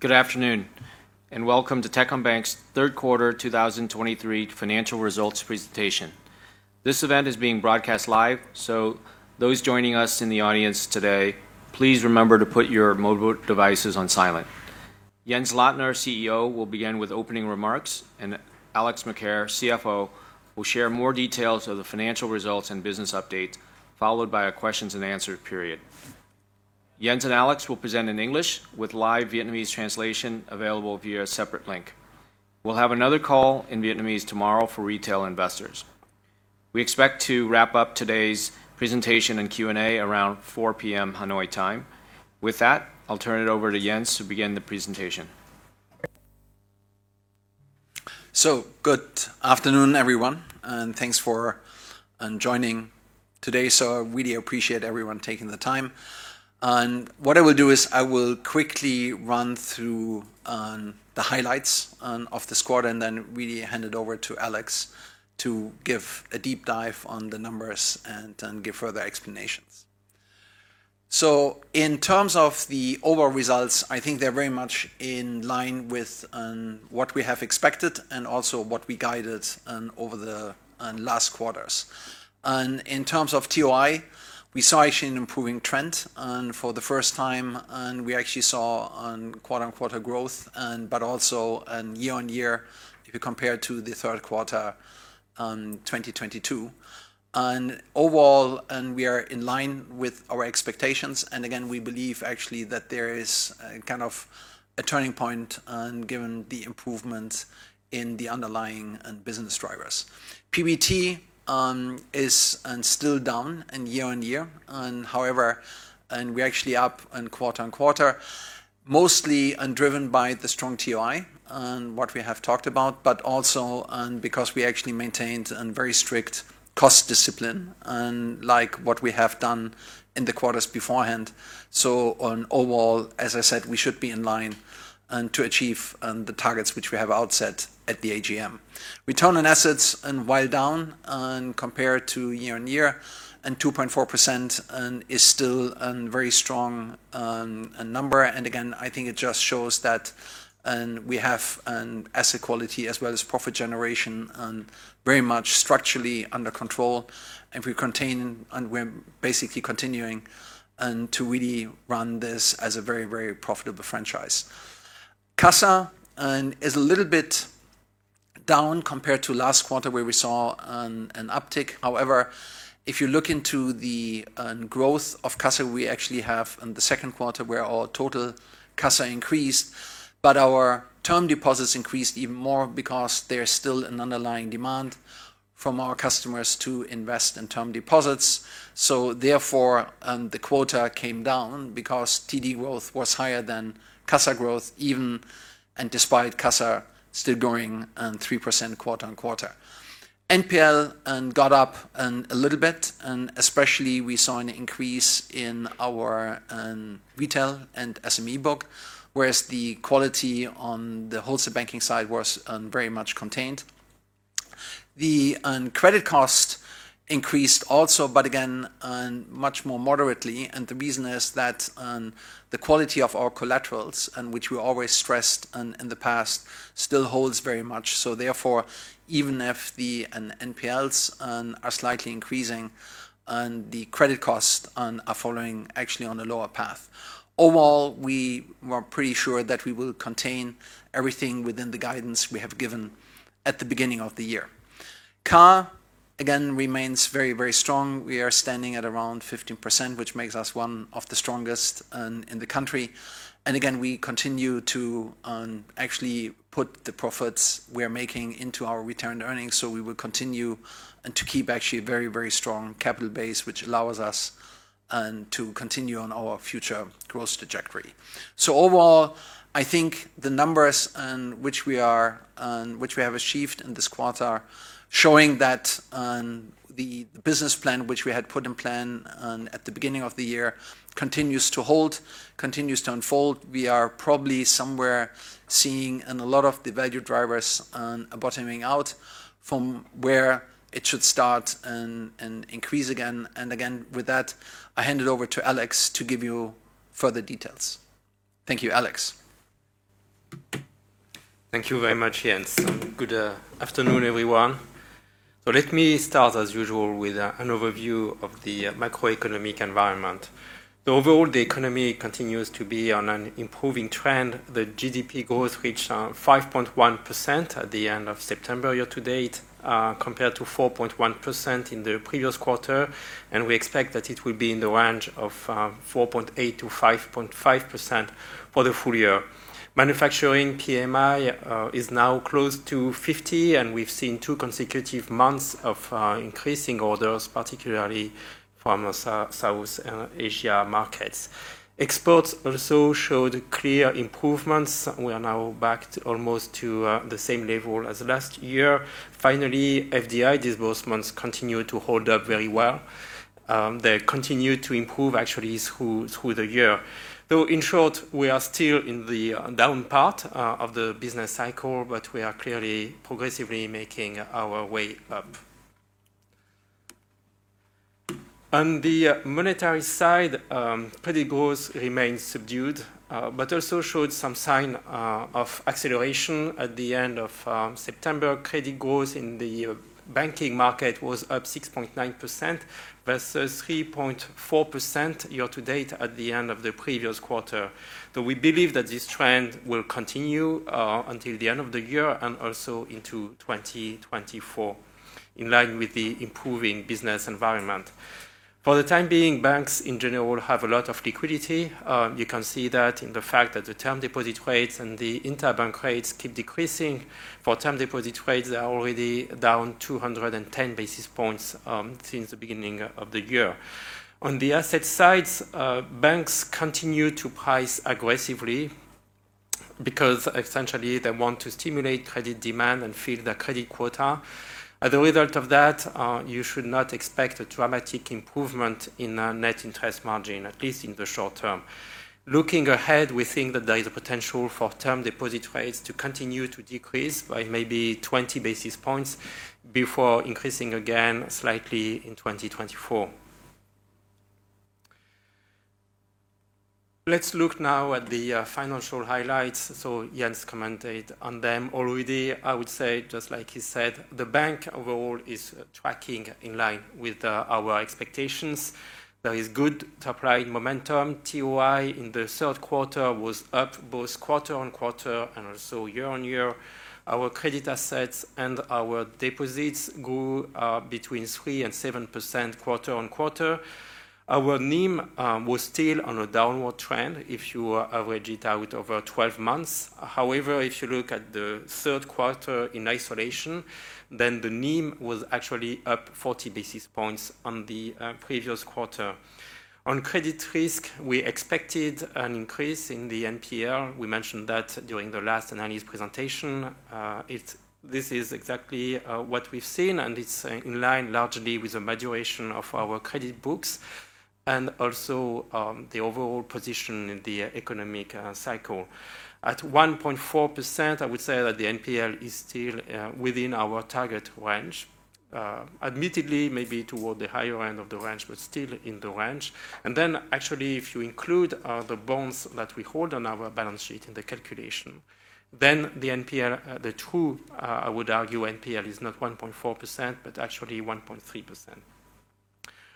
Good afternoon, and welcome to Techcombank's third quarter 2023 financial results presentation. This event is being broadcast live, so those joining us in the audience today, please remember to put your mobile devices on silent. Jens Lottner, our CEO, will begin with opening remarks, and Alexandre Macaire, CFO, will share more details of the financial results and business updates, followed by a questions and answer period. Jens and Alex will present in English with live Vietnamese translation available via a separate link. We'll have another call in Vietnamese tomorrow for retail investors. We expect to wrap up today's presentation and Q&A around 4:00 P.M. Hanoi time. With that, I'll turn it over to Jens to begin the presentation. So good afternoon, everyone, and thanks for joining today. So I really appreciate everyone taking the time. And what I will do is I will quickly run through the highlights of this quarter and then really hand it over to Alex to give a deep dive on the numbers and give further explanations. So in terms of the overall results, I think they're very much in line with what we have expected and also what we guided over the last quarters. And in terms of TOI, we saw actually an improving trend for the first time, and we actually saw quarter-on-quarter growth, but also year-on-year, if you compare to the third quarter, 2022. Overall, we are in line with our expectations, and again, we believe actually that there is a kind of a turning point, given the improvements in the underlying business drivers. PBT is still down year-over-year. However, we're actually up quarter-over-quarter, mostly driven by the strong TOI, what we have talked about, but also because we actually maintained a very strict cost discipline, like what we have done in the quarters beforehand. Overall, as I said, we should be in line to achieve the targets which we have outset at the AGM. Return on assets, while down compared to year-over-year, and 2.4%, is still a very strong number. And again, I think it just shows that we have asset quality as well as profit generation very much structurally under control. And we're basically continuing to really run this as a very, very profitable franchise. CASA is a little bit down compared to last quarter, where we saw an uptick. However, if you look into the growth of CASA, we actually have, in the second quarter, where our total CASA increased, but our term deposits increased even more because there's still an underlying demand from our customers to invest in term deposits. So therefore, the quota came down because TD growth was higher than CASA growth, even and despite CASA still growing 3% quarter-on-quarter. NPL got up a little bit, and especially we saw an increase in our retail and SME book, whereas the quality on the wholesale banking side was very much contained. The credit cost increased also, but again, much more moderately. The reason is that the quality of our collaterals, and which we always stressed in the past, still holds very much. So therefore, even if the NPLs are slightly increasing, the credit costs are following actually on a lower path. Overall, we are pretty sure that we will contain everything within the guidance we have given at the beginning of the year. CAR, again, remains very, very strong. We are standing at around 15%, which makes us one of the strongest in the country. We continue to actually put the profits we are making into our retained earnings, so we will continue to keep actually a very, very strong capital base, which allows us to continue on our future growth trajectory. Overall, I think the numbers which we have achieved in this quarter show that the business plan which we had put in plan at the beginning of the year continues to hold, continues to unfold. We are probably somewhere seeing a lot of the value drivers bottoming out from where it should start and increase again. With that, I hand it over to Alex to give you further details. Thank you. Alex? Thank you very much, Jens. Good afternoon, everyone. So let me start, as usual, with an overview of the macroeconomic environment. Overall, the economy continues to be on an improving trend. The GDP growth reached 5.1% at the end of September year to date compared to 4.1% in the previous quarter, and we expect that it will be in the range of 4.8%-5.5% for the full year. Manufacturing PMI is now close to 50, and we've seen two consecutive months of increasing orders, particularly from the South Asia markets. Exports also showed clear improvements. We are now back to almost the same level as last year. Finally, FDI disbursements continue to hold up very well. They continue to improve actually through the year. Though in short, we are still in the down part of the business cycle, but we are clearly progressively making our way up.... On the monetary side, credit growth remains subdued, but also showed some sign of acceleration at the end of September. Credit growth in the banking market was up 6.9% versus 3.4% year to date at the end of the previous quarter. So we believe that this trend will continue until the end of the year and also into 2024, in line with the improving business environment. For the time being, banks in general have a lot of liquidity. You can see that in the fact that the term deposit rates and the interbank rates keep decreasing. For term deposit rates, they are already down 210 basis points since the beginning of the year. On the asset sides, banks continue to price aggressively, because essentially, they want to stimulate credit demand and fill their credit quota. As a result of that, you should not expect a dramatic improvement in net interest margin, at least in the short term. Looking ahead, we think that there is a potential for term deposit rates to continue to decrease by maybe 20 basis points before increasing again slightly in 2024. Let's look now at the financial highlights. So Jens commented on them already. I would say, just like he said, the bank overall is tracking in line with our expectations. There is good top-line momentum. TOI in the third quarter was up both quarter-on-quarter and also year-on-year. Our credit assets and our deposits grew between 3% and 7% quarter-on-quarter. Our NIM was still on a downward trend if you average it out over 12 months. However, if you look at the third quarter in isolation, then the NIM was actually up 40 basis points on the previous quarter. On credit risk, we expected an increase in the NPL. We mentioned that during the last analysis presentation. This is exactly what we've seen, and it's in line largely with the maturation of our credit books and also the overall position in the economic cycle. At 1.4%, I would say that the NPL is still within our target range, admittedly, maybe toward the higher end of the range, but still in the range. Actually, if you include the bonds that we hold on our balance sheet in the calculation, then the NPL, the true, I would argue, NPL is not 1.4%, but actually 1.3%.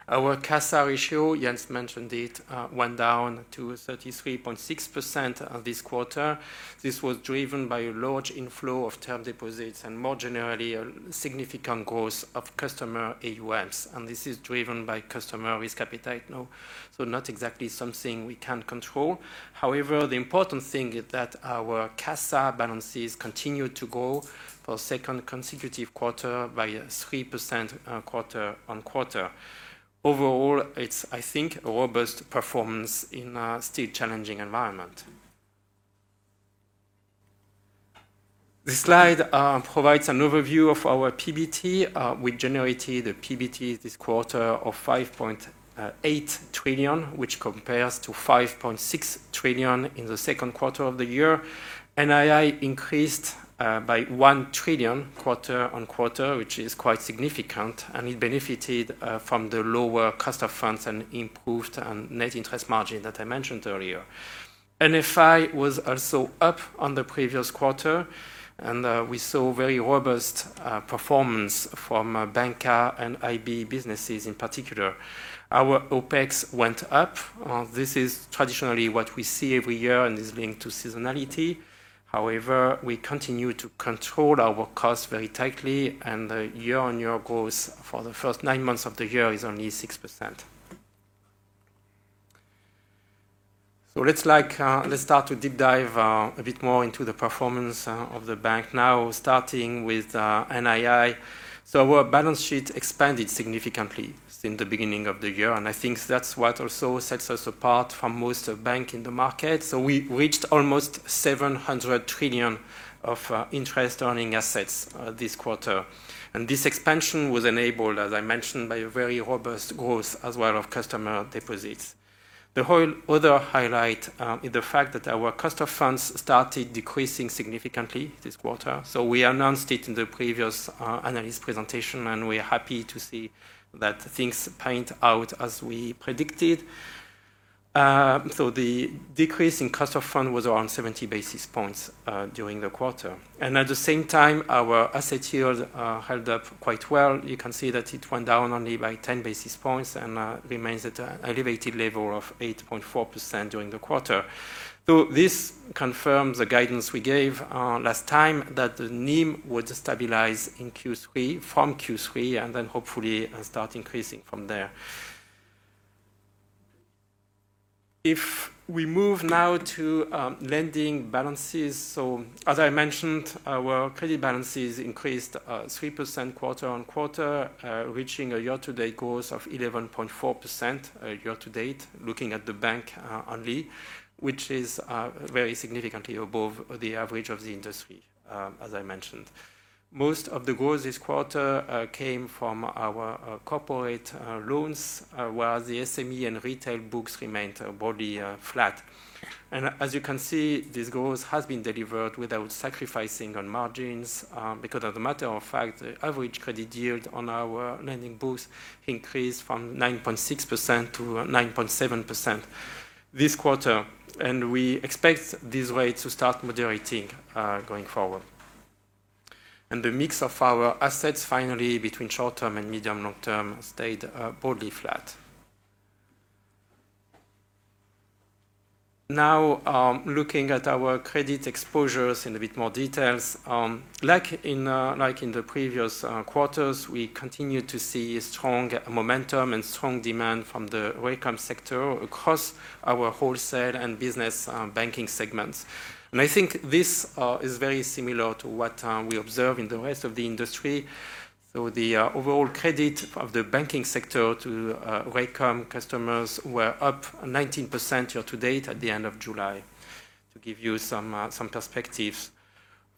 Our CASA ratio, Jens mentioned it, went down to 33.6% this quarter. This was driven by a large inflow of term deposits and more generally, a significant growth of customer AUMs, and this is driven by customer risk appetite, no? So not exactly something we can control. However, the important thing is that our CASA balances continue to grow for a second consecutive quarter by 3%, quarter-on-quarter. Overall, it's, I think, a robust performance in a still challenging environment. This slide provides an overview of our PBT. We generated a PBT this quarter of 5.8 trillion, which compares to 5.6 trillion in the second quarter of the year. NII increased by 1 trillion quarter-on-quarter, which is quite significant, and it benefited from the lower cost of funds and improved net interest margin that I mentioned earlier. NFI was also up on the previous quarter, and we saw very robust performance from bancassurance and IB businesses in particular. Our OpEx went up. This is traditionally what we see every year, and this is linked to seasonality. However, we continue to control our costs very tightly, and the year-on-year growth for the first nine months of the year is only 6%. So let's like... Let's start to deep dive a bit more into the performance of the bank now, starting with NII. So our balance sheet expanded significantly since the beginning of the year, and I think that's what also sets us apart from most of bank in the market. So we reached almost 700 trillion of interest-earning assets this quarter. And this expansion was enabled, as I mentioned, by a very robust growth as well of customer deposits. The whole other highlight is the fact that our customer funds started decreasing significantly this quarter. So we announced it in the previous analyst presentation, and we're happy to see that things panned out as we predicted. So the decrease in customer fund was around 70 basis points during the quarter. And at the same time, our asset yield held up quite well. You can see that it went down only by 10 basis points and remains at an elevated level of 8.4% during the quarter. So this confirms the guidance we gave last time, that the NIM would stabilize in Q3, from Q3, and then hopefully start increasing from there. If we move now to lending balances, so as I mentioned, our credit balances increased 3% quarter-on-quarter, reaching a year-to-date growth of 11.4% year to date, looking at the bank only, which is very significantly above the average of the industry, as I mentioned. Most of the growth this quarter came from our corporate loans while the SME and retail books remained broadly flat. As you can see, this growth has been delivered without sacrificing on margins, because as a matter of fact, the average credit yield on our lending books increased from 9.6% to 9.7% this quarter, and we expect this rate to start moderating going forward, and the mix of our assets, finally, between short-term and medium-long term, stayed broadly flat. Now, looking at our credit exposures in a bit more details, like in the previous quarters, we continue to see strong momentum and strong demand from the retail sector across our wholesale and business banking segments. I think this is very similar to what we observe in the rest of the industry. So the overall credit of the banking sector to retail customers were up 19% year to date at the end of July, to give you some perspectives.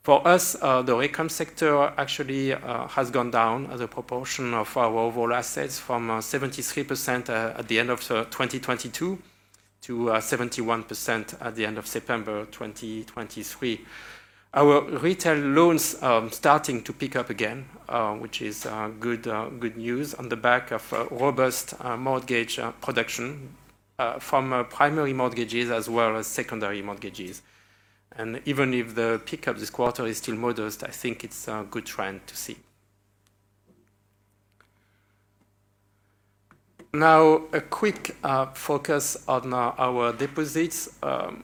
For us, the retail sector actually has gone down as a proportion of our overall assets from 73% at the end of 2022, to 71% at the end of September 2023. Our retail loans are starting to pick up again, which is good news on the back of a robust mortgage production from primary mortgages as well as secondary mortgages. Even if the pickup this quarter is still modest, I think it's a good trend to see. Now, a quick focus on our deposits.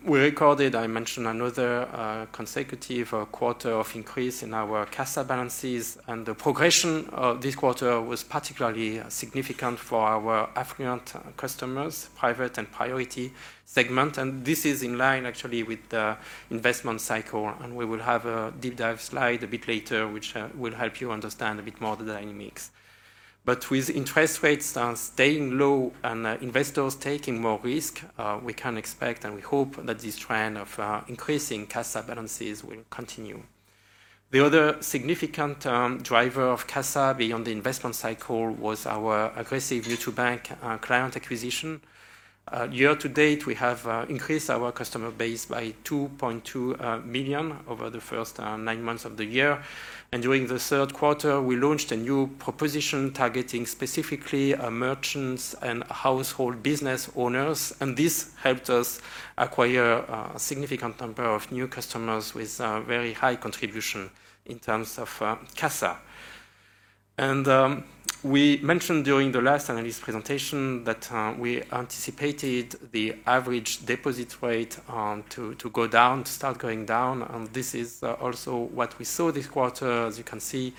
We recorded, I mentioned, another consecutive quarter of increase in our CASA balances, and the progression of this quarter was particularly significant for our affluent customers, private and priority segment. And this is in line actually with the investment cycle, and we will have a deep dive slide a bit later, which will help you understand a bit more the dynamics. But with interest rates staying low and investors taking more risk, we can expect, and we hope that this trend of increasing CASA balances will continue. The other significant driver of CASA beyond the investment cycle was our aggressive new-to-bank client acquisition. Year to date, we have increased our customer base by 2.2 million over the first nine months of the year. During the third quarter, we launched a new proposition targeting specifically merchants and household business owners, and this helped us acquire a significant number of new customers with a very high contribution in terms of CASA. We mentioned during the last analyst presentation that we anticipated the average deposit rate to go down, to start going down, and this is also what we saw this quarter. As you can see,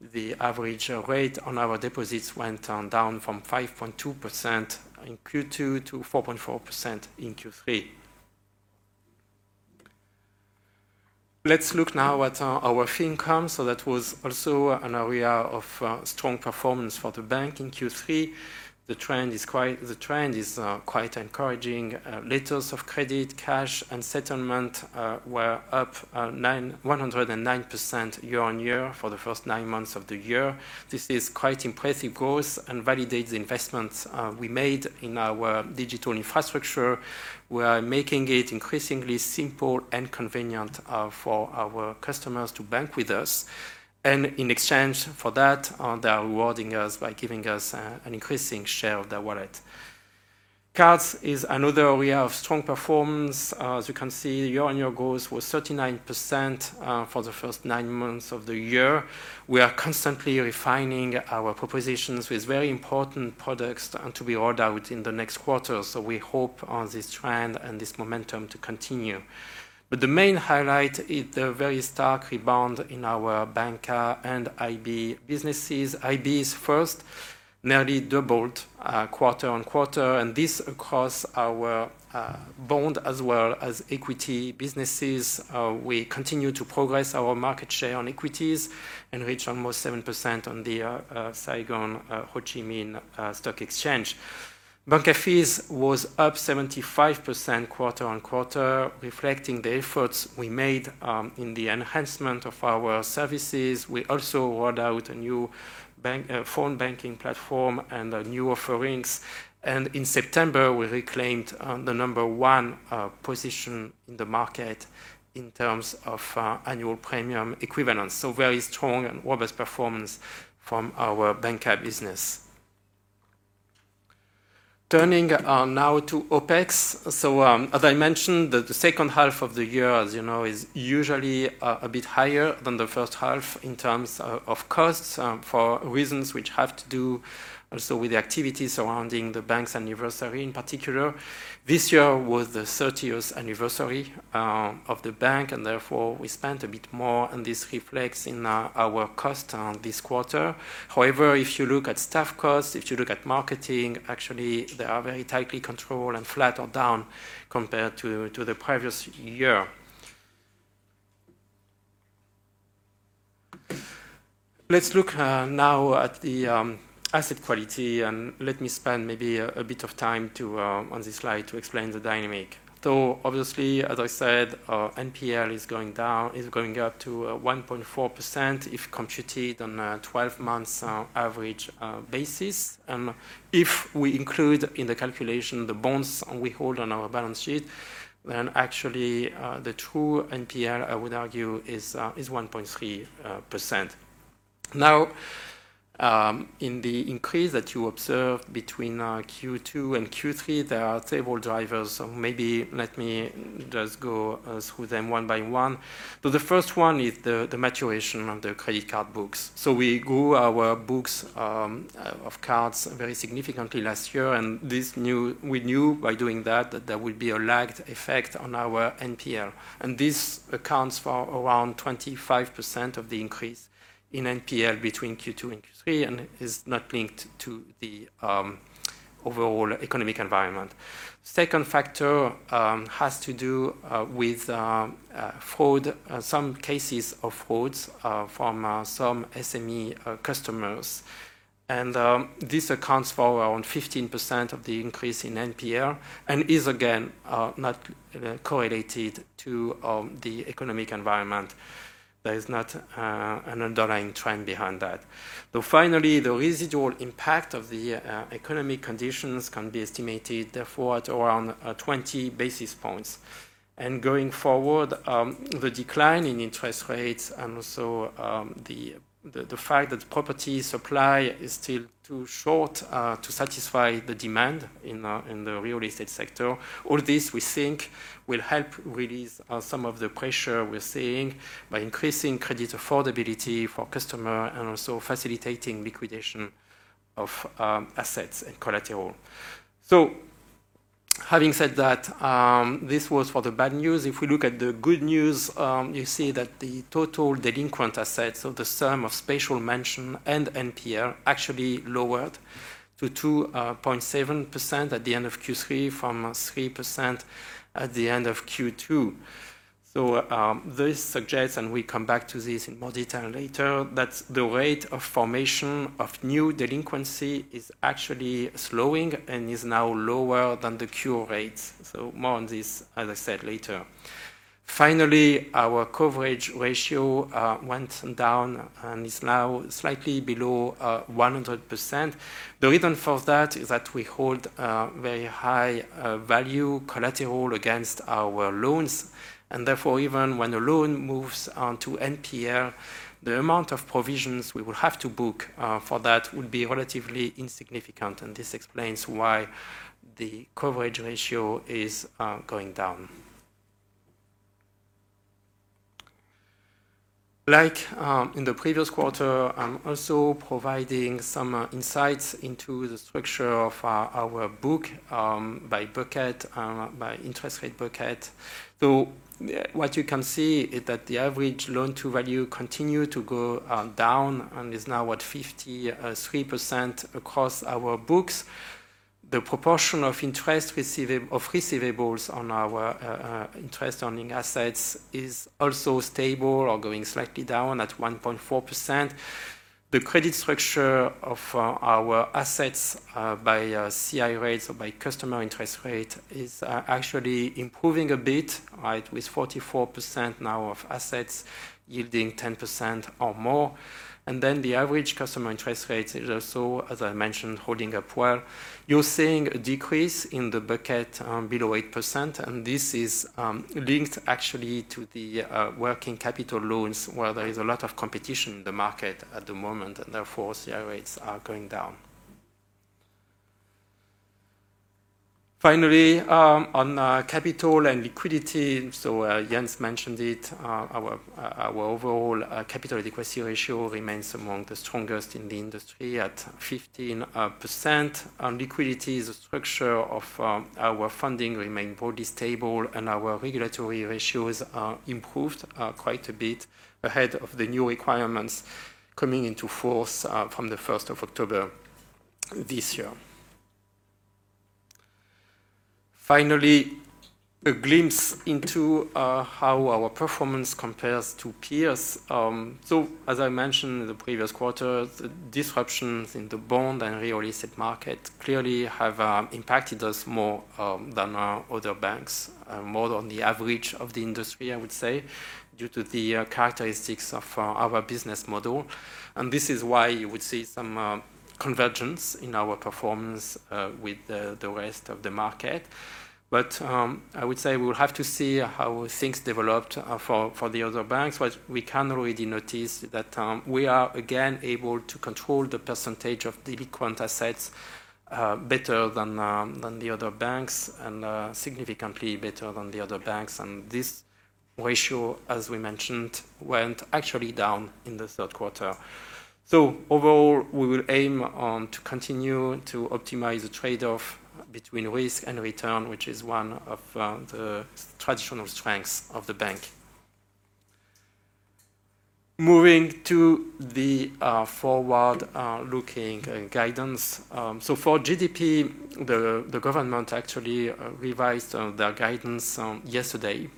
the average rate on our deposits went down from 5.2% in Q2 to 4.4% in Q3. Let's look now at our fee income. That was also an area of strong performance for the bank in Q3. The trend is quite-- The trend is quite encouraging. Letters of credit, cash, and settlement were up 109% year-on-year for the first nine months of the year. This is quite impressive growth and validates the investments we made in our digital infrastructure. We are making it increasingly simple and convenient for our customers to bank with us, and in exchange for that, they are rewarding us by giving us an increasing share of their wallet. Cards is another area of strong performance. As you can see, year-on-year growth was 39% for the first nine months of the year. We are constantly refining our propositions with very important products to be rolled out in the next quarter, so we hope on this trend and this momentum to continue. But the main highlight is the very stark rebound in our bancassurance and IB businesses. IB fees nearly doubled quarter-on-quarter, and this across our bond as well as equity businesses. We continue to progress our market share on equities and reach almost 7% on the Ho Chi Minh City Stock Exchange. Bancassurance fees was up 75% quarter-on-quarter, reflecting the efforts we made in the enhancement of our services. We also rolled out a new bank phone banking platform and new offerings. In September, we reclaimed the number one position in the market in terms of annual premium equivalence. So very strong and robust performance from our Bancassurance business. Turning now to OpEx. So, as I mentioned, the second half of the year, as you know, is usually a bit higher than the first half in terms of costs, for reasons which have to do also with the activities surrounding the bank's anniversary. In particular, this year was the thirtieth anniversary of the bank, and therefore, we spent a bit more, and this reflects in our cost this quarter. However, if you look at staff costs, if you look at marketing, actually, they are very tightly controlled and flat or down compared to the previous year. Let's look now at the asset quality, and let me spend maybe a bit of time on this slide to explain the dynamic. So obviously, as I said, NPL is going down, is going up to 1.4% if computed on a 12-month average basis. If we include in the calculation the bonds we hold on our balance sheet, then actually the true NPL, I would argue, is 1.3%. Now, in the increase that you observe between Q2 and Q3, there are several drivers. So maybe let me just go through them one by one. So the first one is the maturation of the credit card books. So we grew our books of cards very significantly last year, and this new- we knew by doing that, that there would be a lagged effect on our NPL. This accounts for around 25% of the increase in NPL between Q2 and Q3, and is not linked to the overall economic environment. Second factor has to do with fraud, some cases of frauds from some SME customers. This accounts for around 15% of the increase in NPR, and is again not correlated to the economic environment. There is not an underlying trend behind that. So finally, the residual impact of the economic conditions can be estimated therefore at around 20 basis points. And going forward, the decline in interest rates and also, the fact that property supply is still too short to satisfy the demand in, in the real estate sector, all this, we think, will help release some of the pressure we're seeing by increasing credit affordability for customer and also facilitating liquidation of, assets and collateral. So having said that, this was for the bad news. If we look at the good news, you see that the total delinquent assets, so the sum of special mention and NPL, actually lowered to 2.7% at the end of Q3 from, 3% at the end of Q2. So, this suggests, and we come back to this in more detail later, that the rate of formation of new delinquency is actually slowing and is now lower than the cure rates. So more on this, as I said, later. Finally, our coverage ratio went down and is now slightly below 100%. The reason for that is that we hold very high value collateral against our loans, and therefore, even when a loan moves on to NPL, the amount of provisions we will have to book for that would be relatively insignificant, and this explains why the coverage ratio is going down. Like, in the previous quarter, I'm also providing some insights into the structure of our book, by bucket, by interest rate bucket. So what you can see is that the average loan-to-value continue to go down and is now at 53% across our books. The proportion of interest receivables on our interest earning assets is also stable or going slightly down at 1.4%. The credit structure of our assets by CI rates or by customer interest rate is actually improving a bit, right, with 44% now of assets yielding 10% or more. And then the average customer interest rates is also, as I mentioned, holding up well. You're seeing a decrease in the bucket below 8%, and this is linked actually to the working capital loans, where there is a lot of competition in the market at the moment, and therefore, CI rates are going down. Finally, on capital and liquidity, so Jens mentioned it, our overall capital adequacy ratio remains among the strongest in the industry at 15%. On liquidity, the structure of our funding remain very stable, and our regulatory ratios are improved quite a bit ahead of the new requirements coming into force from the first of October this year. Finally, a glimpse into how our performance compares to peers. As I mentioned in the previous quarter, the disruptions in the bond and real estate market clearly have impacted us more than other banks, more on the average of the industry, I would say, due to the characteristics of our business model. This is why you would see some convergence in our performance with the rest of the market. But I would say we will have to see how things developed for the other banks. But we can already notice that we are again able to control the percentage of delinquent assets better than the other banks, and significantly better than the other banks. And this ratio, as we mentioned, went actually down in the third quarter. So overall, we will aim on to continue to optimize the trade-off between risk and return, which is one of the traditional strengths of the bank. Moving to the forward-looking guidance. So for GDP, the government actually revised their guidance yesterday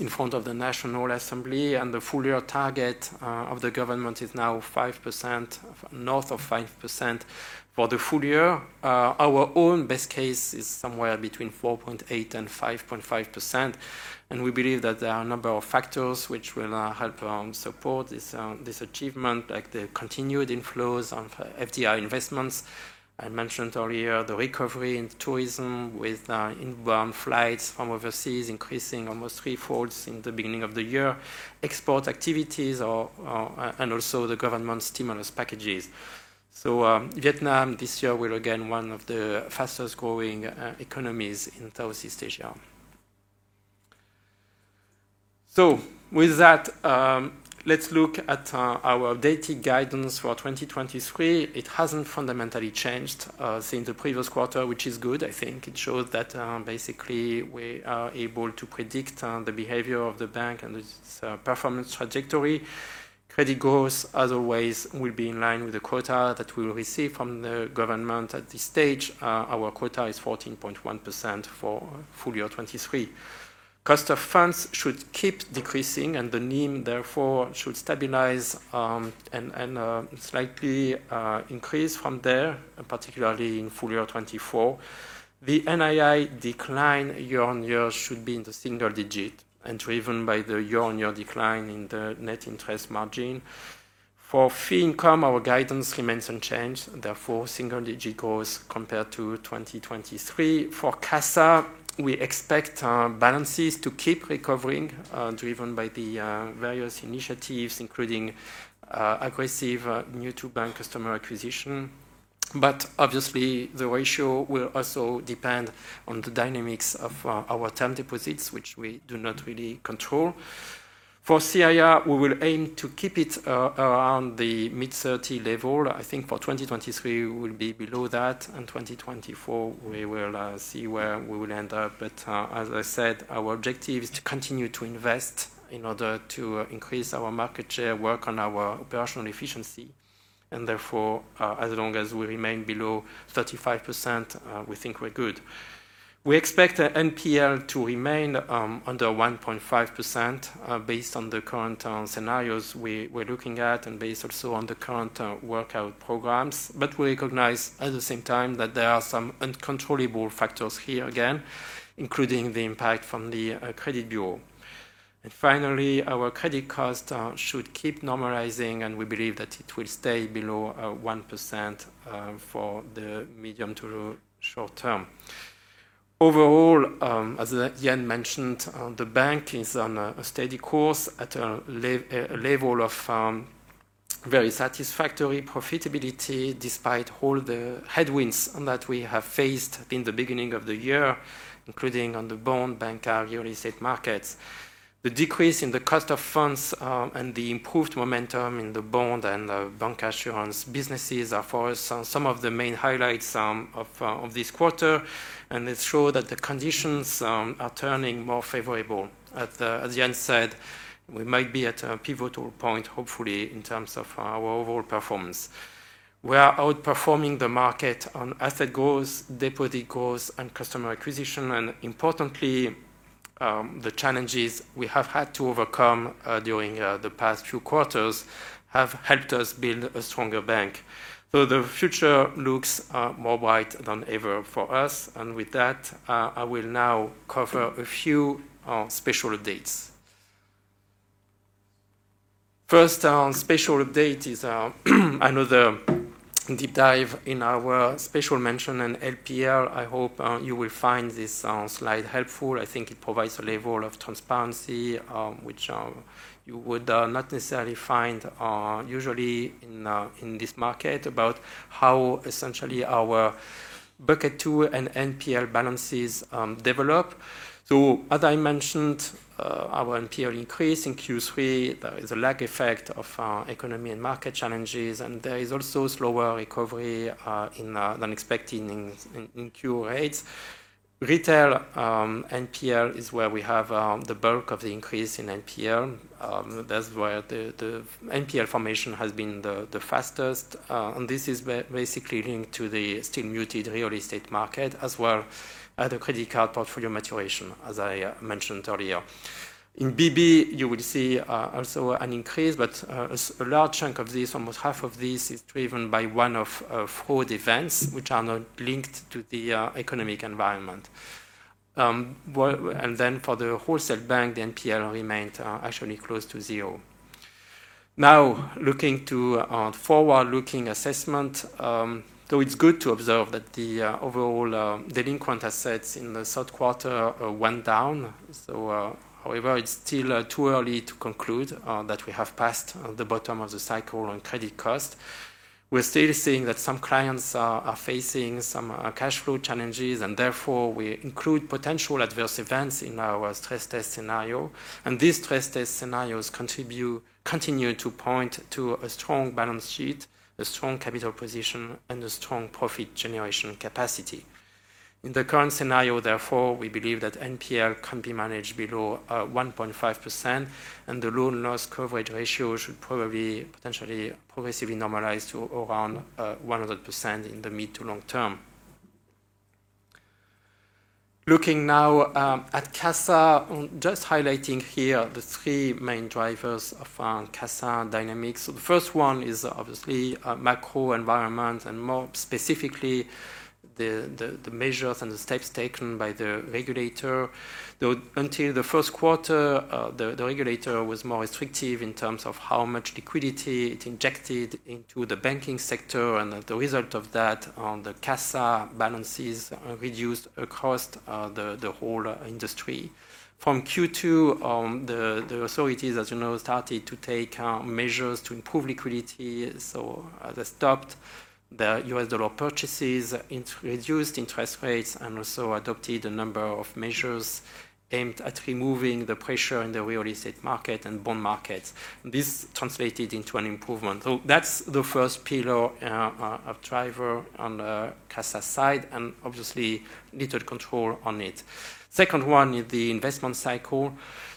in front of the National Assembly, and the full-year target of the government is now 5%, north of 5%. For the full year, our own best case is somewhere between 4.8% and 5.5%, and we believe that there are a number of factors which will help support this achievement, like the continued inflows of FDI investments. I mentioned earlier, the recovery in tourism, with inbound flights from overseas increasing almost threefold since the beginning of the year, export activities, and also the government's stimulus packages. So, Vietnam this year will again be one of the fastest growing economies in Southeast Asia. So with that, let's look at our updated guidance for 2023. It hasn't fundamentally changed since the previous quarter, which is good, I think. It shows that, basically, we are able to predict the behavior of the bank and its performance trajectory. Credit growth, as always, will be in line with the quota that we will receive from the government. At this stage, our quota is 14.1% for full year 2023. Cost of funds should keep decreasing, and the NIM, therefore, should stabilize, and slightly increase from there, particularly in full year 2024. The NII decline year-on-year should be in the single digit and driven by the year-on-year decline in the net interest margin. For fee income, our guidance remains unchanged, therefore, single-digit growth compared to 2023. For CASA, we expect balances to keep recovering, driven by the various initiatives, including aggressive new-to-bank customer acquisition. But obviously, the ratio will also depend on the dynamics of our term deposits, which we do not really control. For CIR, we will aim to keep it around the mid-thirty level. I think for 2023, we will be below that, and 2024, we will see where we will end up. But as I said, our objective is to continue to invest in order to increase our market share, work on our operational efficiency, and therefore, as long as we remain below 35%, we think we're good. We expect the NPL to remain under 1.5%, based on the current scenarios we're looking at and based also on the current workout programs. But we recognize at the same time that there are some uncontrollable factors here again, including the impact from the credit bureau. And finally, our credit cost should keep normalizing, and we believe that it will stay below 1% for the medium to short term. Overall, as Jens mentioned, the bank is on a steady course at a level of very satisfactory profitability, despite all the headwinds that we have faced in the beginning of the year, including on the bond, bancassurance, real estate markets. The decrease in the cost of funds and the improved momentum in the bond and the bancassurance businesses are for us some of the main highlights of this quarter, and it show that the conditions are turning more favorable. As Jens said, we might be at a pivotal point, hopefully, in terms of our overall performance. We are outperforming the market on asset growth, deposit growth, and customer acquisition, and importantly, the challenges we have had to overcome during the past few quarters have helped us build a stronger bank. So the future looks more bright than ever for us. And with that, I will now cover a few special updates. First, special update is another deep dive in our special mention in NPL. I hope you will find this slide helpful. I think it provides a level of transparency, which you would not necessarily find usually in this market, about how essentially our Bucket 2 and NPL balances develop. So, as I mentioned, our NPL increased in Q3. There is a lag effect of economy and market challenges, and there is also slower recovery than expected in Q rates. Retail NPL is where we have the bulk of the increase in NPL. That's where the NPL formation has been the fastest, and this is basically linked to the still muted real estate market, as well as the credit card portfolio maturation, as I mentioned earlier. In BB, you will see, also an increase, but, a, a large chunk of this, almost half of this, is driven by one-off of fraud events, which are not linked to the, economic environment. Well, and then for the wholesale bank, the NPL remained, actually close to zero. Now, looking to our forward-looking assessment. So it's good to observe that the, overall, delinquent assets in the third quarter, went down. So... However, it's still, too early to conclude, that we have passed, the bottom of the cycle on credit cost. We're still seeing that some clients are, are facing some, cash flow challenges, and therefore, we include potential adverse events in our stress test scenario. These stress test scenarios continue to point to a strong balance sheet, a strong capital position, and a strong profit generation capacity. In the current scenario, therefore, we believe that NPL can be managed below 1.5%, and the loan loss coverage ratio should probably potentially progressively normalize to around 100% in the mid to long term. Looking now at CASA, just highlighting here the three main drivers of CASA dynamics. So the first one is obviously macro environment, and more specifically the measures and the steps taken by the regulator. Though until the first quarter, the regulator was more restrictive in terms of how much liquidity it injected into the banking sector, and the result of that on the CASA balances reduced across the whole industry. From Q2, the authorities, as you know, started to take measures to improve liquidity, they stopped the U.S. dollar purchases, reduced interest rates, and also adopted a number of measures aimed at removing the pressure in the real estate market and bond markets. This translated into an improvement. That's the first pillar of driver on the CASA side, and obviously, little control on it. Second one is the investment cycle.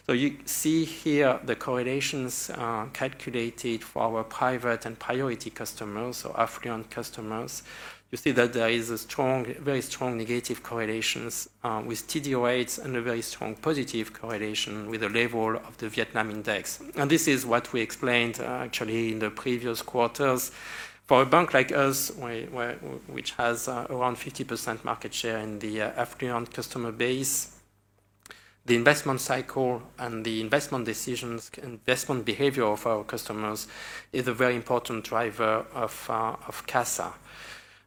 You see here the correlations, calculated for our private and priority customers, so affluent customers. You see that there is a strong, very strong negative correlations with TD rates and a very strong positive correlation with the level of the Vietnam index. This is what we explained, actually in the previous quarters. For a bank like us, where, where... Which has around 50% market share in the affluent customer base, the investment cycle and the investment decisions, investment behavior of our customers is a very important driver of CASA.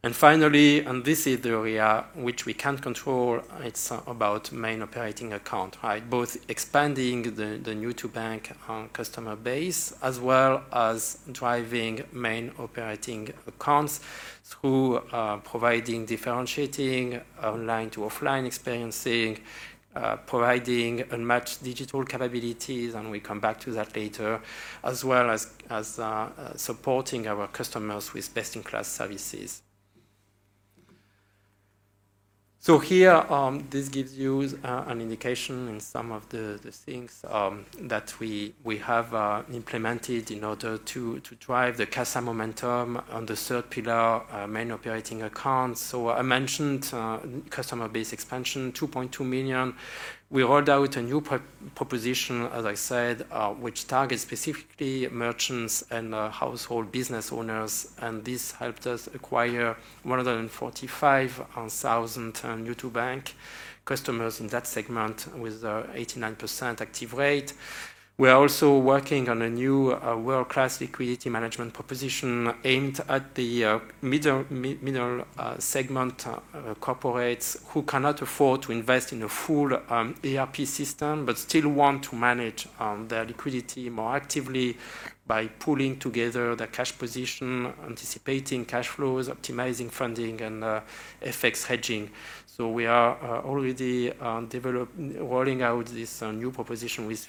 And finally, and this is the area which we can't control, it's about main operating account, right? Both expanding the new to bank customer base, as well as driving main operating accounts through providing differentiating online to offline experiencing, providing unmatched digital capabilities, and we come back to that later, as well as supporting our customers with best-in-class services. So here, this gives you an indication in some of the things that we have implemented in order to drive the CASA momentum on the third pillar, main operating accounts. So I mentioned customer base expansion, 2.2 million. We rolled out a new proposition, as I said, which targets specifically merchants and household business owners, and this helped us acquire 145,000 new to bank customers in that segment, with 89% active rate. We are also working on a new world-class liquidity management proposition aimed at the middle segment corporates, who cannot afford to invest in a full ERP system, but still want to manage their liquidity more actively by pulling together the cash position, anticipating cash flows, optimizing funding, and FX hedging. So we are already rolling out this new proposition with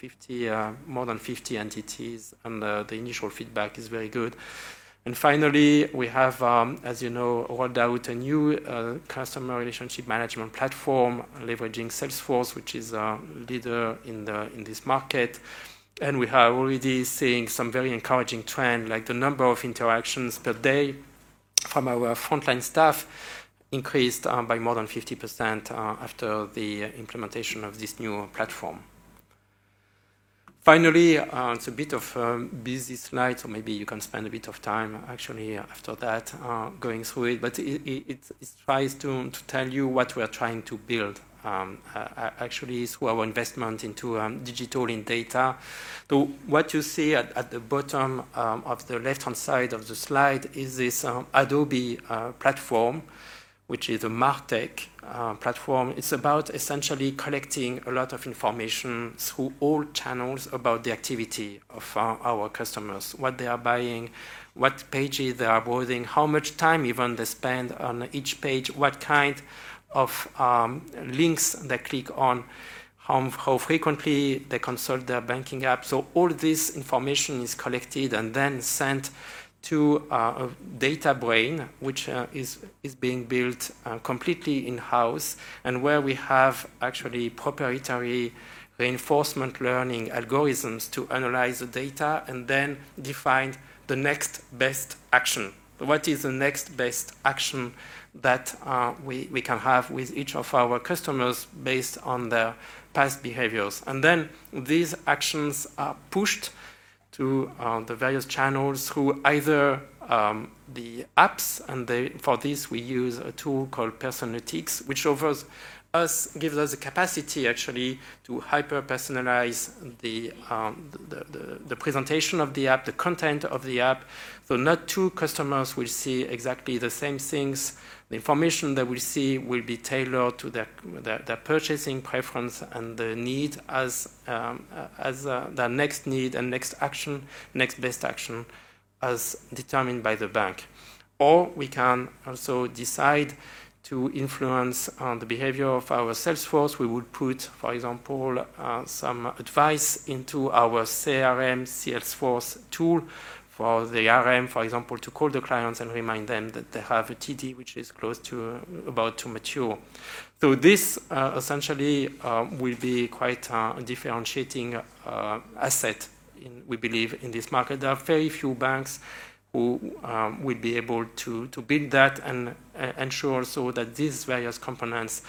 more than 50 entities, and the initial feedback is very good. And finally, we have, as you know, rolled out a new, customer relationship management platform, leveraging Salesforce, which is a leader in the, in this market. And we are already seeing some very encouraging trend, like the number of interactions per day from our frontline staff increased, by more than 50%, after the implementation of this new platform. Finally, it's a bit of a busy slide, so maybe you can spend a bit of time actually after that, going through it. But it tries to tell you what we are trying to build, actually, through our investment into, digital and data. So what you see at the bottom, of the left-hand side of the slide is this, Adobe, platform, which is a MarTech platform. It's about essentially collecting a lot of information through all channels about the activity of our customers, what they are buying, what pages they are browsing, how much time even they spend on each page, what kind of links they click on, how frequently they consult their banking app. So all this information is collected and then sent to a data brain, which is being built completely in-house, and where we have actually proprietary reinforcement learning algorithms to analyze the data and then define the next best action. What is the next best action that we can have with each of our customers based on their past behaviors? And then these actions are pushed to the various channels through either the apps, for this, we use a tool called Personetics, which offers us, gives us the capacity actually to hyper-personalize the presentation of the app, the content of the app. So not two customers will see exactly the same things. The information they will see will be tailored to their purchasing preference and their need as their next need and next action, next best action, as determined by the bank. Or we can also decide to influence the behavior of our sales force. We would put, for example, some advice into our CRM, Salesforce tool for the RM, for example, to call the clients and remind them that they have a TD, which is close to, about to mature. So this essentially will be quite a differentiating asset in this market. We believe in this market. There are very few banks who will be able to build that and ensure also that these various components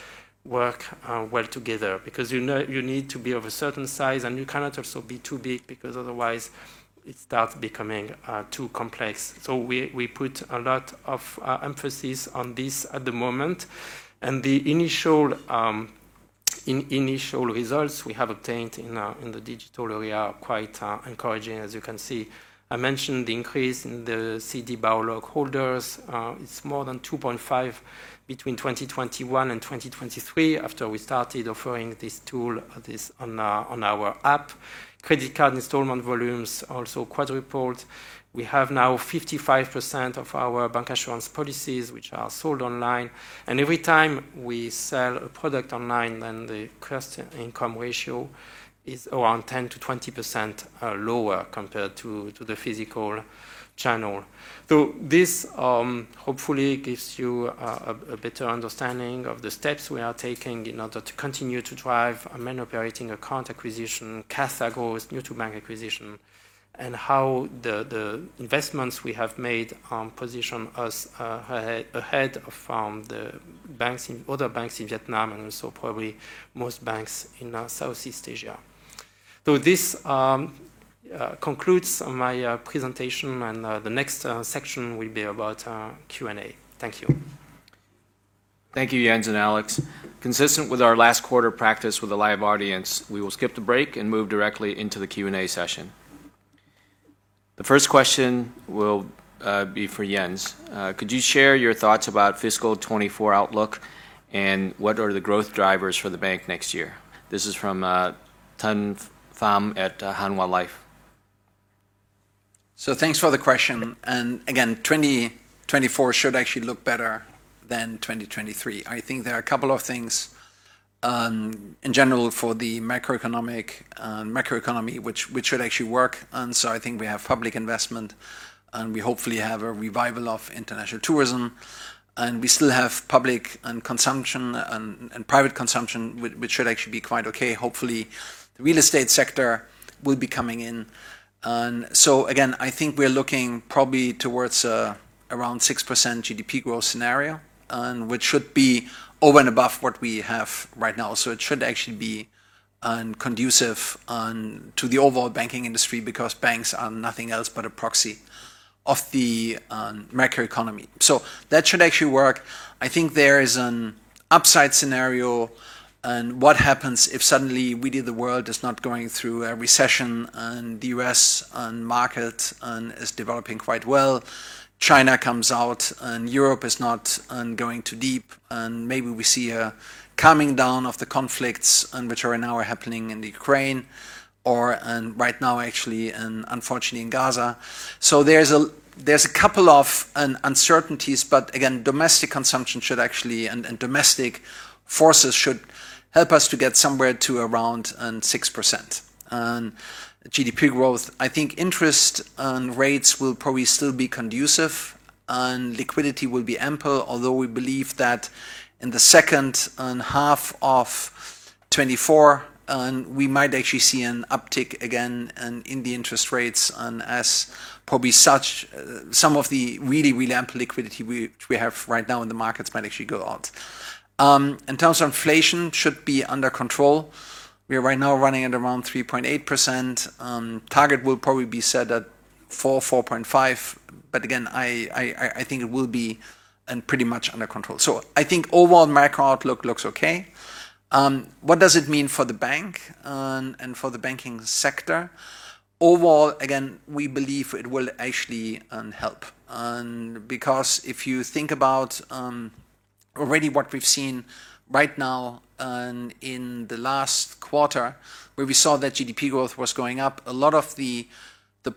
work well together. Because you know, you need to be of a certain size, and you cannot also be too big, because otherwise it starts becoming too complex. So we put a lot of emphasis on this at the moment, and the initial-... In initial results we have obtained in, in the digital area are quite, encouraging, as you can see. I mentioned the increase in the CD Bao Loc holders. It's more than 2.5 between 2021 and 2023 after we started offering this tool, this, on our, on our app. Credit card installment volumes also quadrupled. We have now 55% of our bancassurance policies which are sold online, and every time we sell a product online, then the cost-to-income ratio is around 10%-20%, lower compared to, to the physical channel. So this hopefully gives you a better understanding of the steps we are taking in order to continue to drive our operating account acquisition, cash accruals, new-to-bank acquisition, and how the investments we have made position us ahead of other banks in Vietnam, and also probably most banks in Southeast Asia. So this concludes my presentation, and the next section will be about Q&A. Thank you. Thank you, Jens and Alex. Consistent with our last quarter practice with a live audience, we will skip the break and move directly into the Q&A session. The first question will be for Jens. "Could you share your thoughts about fiscal 2024 outlook, and what are the growth drivers for the bank next year?" This is from Tan Pham at Hanwha Life. So thanks for the question, and again, 2024 should actually look better than 2023. I think there are a couple of things in general for the macroeconomic macroeconomy, which, which should actually work. And so I think we have public investment, and we hopefully have a revival of international tourism, and we still have public and consumption and private consumption, which, which should actually be quite okay. Hopefully, the real estate sector will be coming in. And so again, I think we are looking probably towards around 6% GDP growth scenario, and which should be over and above what we have right now. So it should actually be conducive to the overall banking industry, because banks are nothing else but a proxy of the macroeconomy. So that should actually work. I think there is an upside scenario, and what happens if suddenly really the world is not going through a recession, and the U.S., and market, and is developing quite well? China comes out, and Europe is not going too deep, and maybe we see a calming down of the conflicts, which are now happening in the Ukraine or, and right now, actually, and unfortunately in Gaza. So there's a couple of uncertainties, but again, domestic consumption should actually and domestic forces should help us to get somewhere to around 6% GDP growth. I think interest rates will probably still be conducive, and liquidity will be ample, although we believe that in the second half of 2024, we might actually see an uptick again in the interest rates, and as probably such, some of the really, really ample liquidity we have right now in the markets might actually go out. In terms of inflation, should be under control. We are right now running at around 3.8%. Target will probably be set at 4-4.5%, but again, I think it will be pretty much under control. So I think overall macro outlook looks okay. What does it mean for the bank and for the banking sector? Overall, again, we believe it will actually help, and because if you think about already what we've seen right now and in the last quarter, where we saw that GDP growth was going up, a lot of the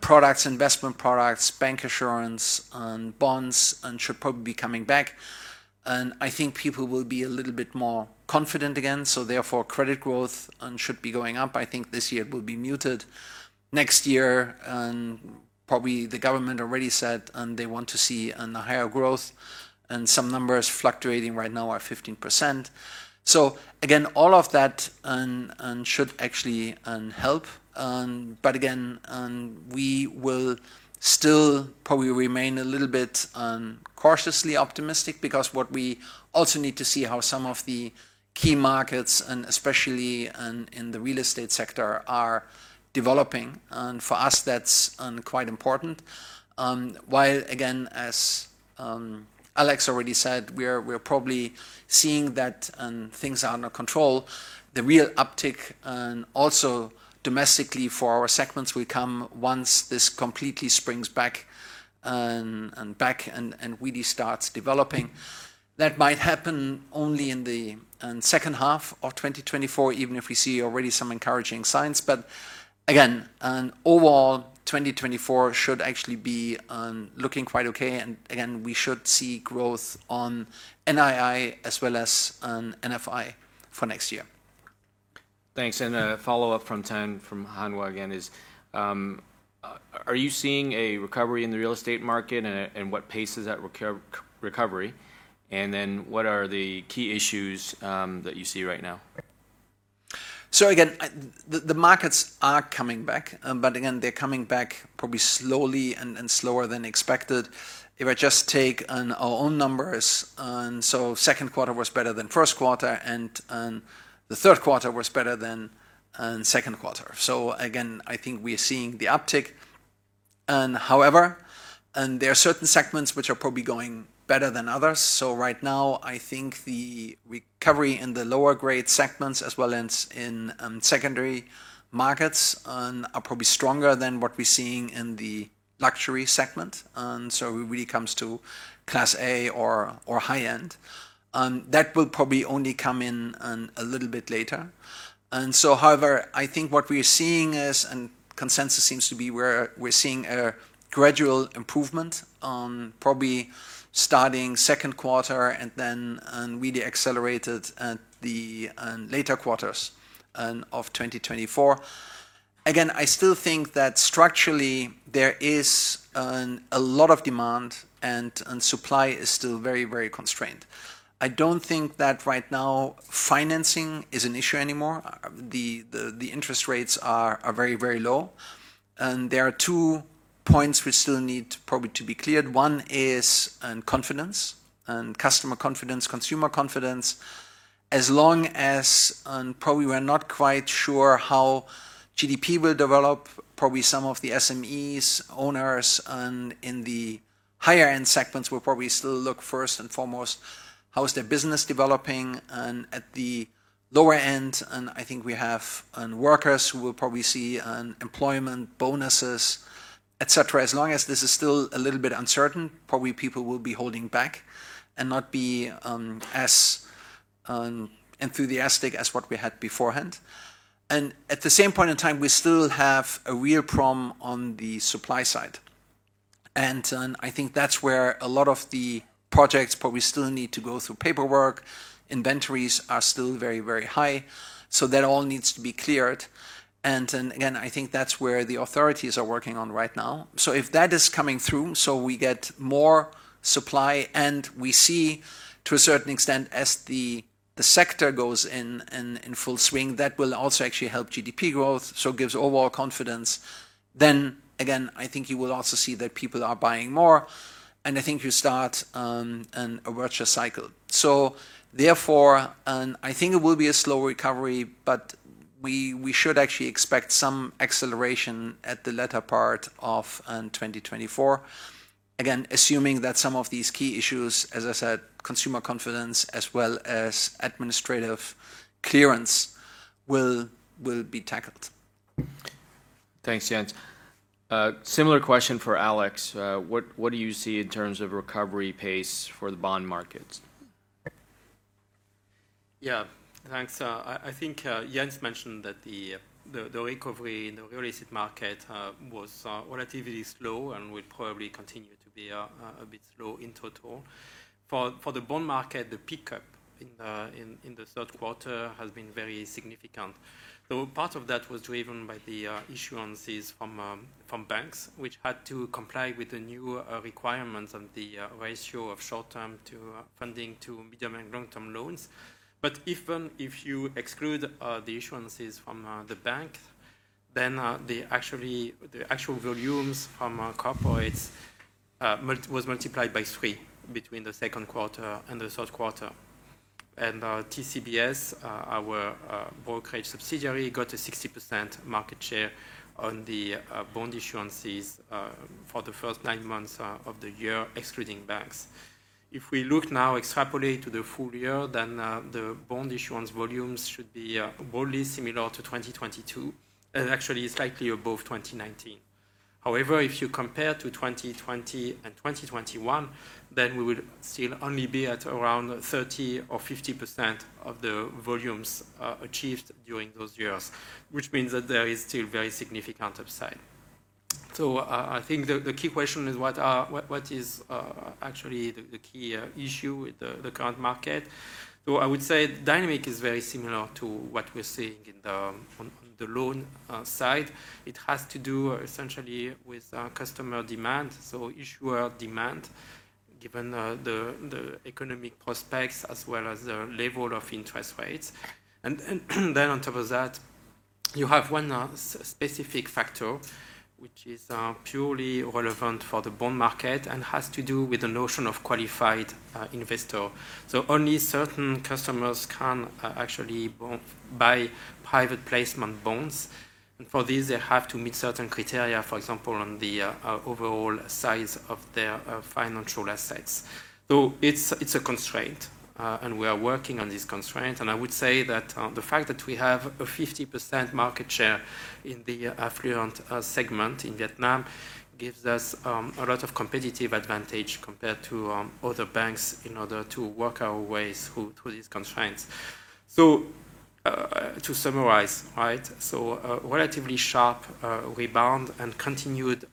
products, investment products, bancassurance, and bonds should probably be coming back. And I think people will be a little bit more confident again, so therefore, credit growth should be going up. I think this year will be muted. Next year, probably the government already said they want to see a higher growth, and some numbers fluctuating right now are 15%. So again, all of that should actually help. But again, we will still probably remain a little bit cautiously optimistic, because what we also need to see how some of the key markets, and especially, in the real estate sector, are developing. And for us, that's quite important. While, again, as Alex already said, we are probably seeing that things are under control. The real uptick also domestically for our segments will come once this completely springs back and really starts developing. That might happen only in the second half of 2024, even if we see already some encouraging signs. But again, overall, 2024 should actually be looking quite okay, and again, we should see growth on NII as well as NFI for next year. Thanks, and a follow-up from Tan, from Hanwha again, is, "Are you seeing a recovery in the real estate market, and what pace is that recovery? And then, what are the key issues that you see right now? So again, the markets are coming back, but again, they're coming back probably slowly and slower than expected. If I just take our own numbers, so second quarter was better than first quarter, and the third quarter was better than second quarter. So again, I think we are seeing the uptick, and however, there are certain segments which are probably going better than others. So right now, I think the recovery in the lower grade segments, as well as in secondary markets, are probably stronger than what we're seeing in the luxury segment. And so when it really comes to Class A or high-end, that will probably only come in a little bit later. However, I think what we're seeing is, and consensus seems to be where we're seeing a gradual improvement, probably starting second quarter, and then really accelerated at the later quarters of 2024. Again, I still think that structurally there is a lot of demand, and supply is still very, very constrained. I don't think that right now financing is an issue anymore. The interest rates are very, very low, and there are two points which still need probably to be cleared. One is confidence, and customer confidence, consumer confidence. As long as, and probably we're not quite sure how GDP will develop, probably some of the SMEs owners, and in the higher-end segments will probably still look first and foremost, how is their business developing? At the lower end, I think we have workers who will probably see employment bonuses, et cetera. As long as this is still a little bit uncertain, probably people will be holding back and not be as enthusiastic as what we had beforehand. At the same point in time, we still have a real problem on the supply side. I think that's where a lot of the projects probably still need to go through paperwork. Inventories are still very, very high, so that all needs to be cleared. I think that's where the authorities are working on right now. If that is coming through, we get more supply, and we see, to a certain extent, as the sector goes in full swing, that will also actually help GDP growth, so gives overall confidence. Then again, I think you will also see that people are buying more, and I think you start a virtuous cycle. So therefore, and I think it will be a slow recovery, but we should actually expect some acceleration at the latter part of 2024. Again, assuming that some of these key issues, as I said, consumer confidence as well as administrative clearance, will be tackled. Thanks, Jens. Similar question for Alex. What do you see in terms of recovery pace for the bond markets? Yeah, thanks. I think Jens mentioned that the recovery in the real estate market was relatively slow and will probably continue to be a bit slow in total. For the bond market, the pickup in the third quarter has been very significant. Part of that was driven by the issuances from banks, which had to comply with the new requirements and the ratio of short-term funding to medium and long-term loans. Even if you exclude the issuances from the bank, the actual volumes from corporates was multiplied by 3 between the second quarter and the third quarter. TCBS, our brokerage subsidiary, got a 60% market share on the bond issuances for the first 9 months of the year, excluding banks. If we look now, extrapolate to the full year, then the bond issuance volumes should be broadly similar to 2022, and actually slightly above 2019. However, if you compare to 2020 and 2021, then we will still only be at around 30% or 50% of the volumes achieved during those years, which means that there is still very significant upside. So, I think the key question is what are—what, what is actually the key issue with the current market? So I would say dynamic is very similar to what we're seeing in the, on, on the loan side. It has to do essentially with customer demand, so issuer demand, given the economic prospects as well as the level of interest rates. And then on top of that, you have one specific factor, which is purely relevant for the bond market and has to do with the notion of qualified investor. So only certain customers can actually buy private placement bonds, and for this, they have to meet certain criteria, for example, on the overall size of their financial assets. So it's a constraint, and we are working on this constraint, and I would say that the fact that we have a 50% market share in the affluent segment in Vietnam gives us a lot of competitive advantage compared to other banks in order to work our way through these constraints. So to summarize, right? So relatively sharp rebound and continued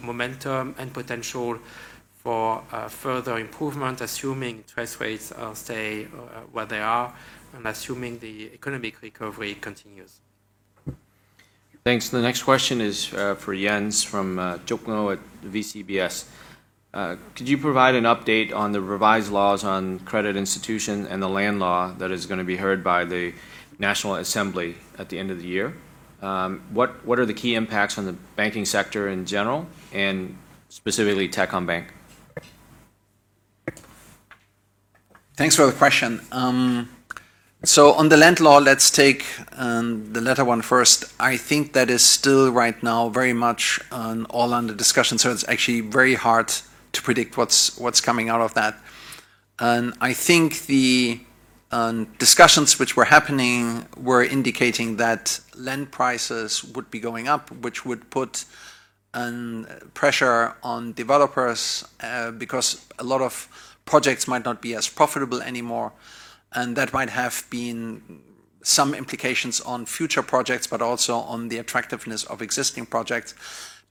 momentum and potential for further improvement, assuming interest rates stay where they are and assuming the economic recovery continues. Thanks. The next question is for Jens from Chukwu at VCBS. Could you provide an update on the revised laws on credit institution and the land law that is going to be heard by the National Assembly at the end of the year? What are the key impacts on the banking sector in general, and specifically Techcombank? Thanks for the question. So on the land law, let's take the latter one first. I think that is still right now very much all under discussion, so it's actually very hard to predict what's coming out of that. And I think the discussions which were happening were indicating that land prices would be going up, which would put pressure on developers because a lot of projects might not be as profitable anymore, and that might have been some implications on future projects, but also on the attractiveness of existing projects.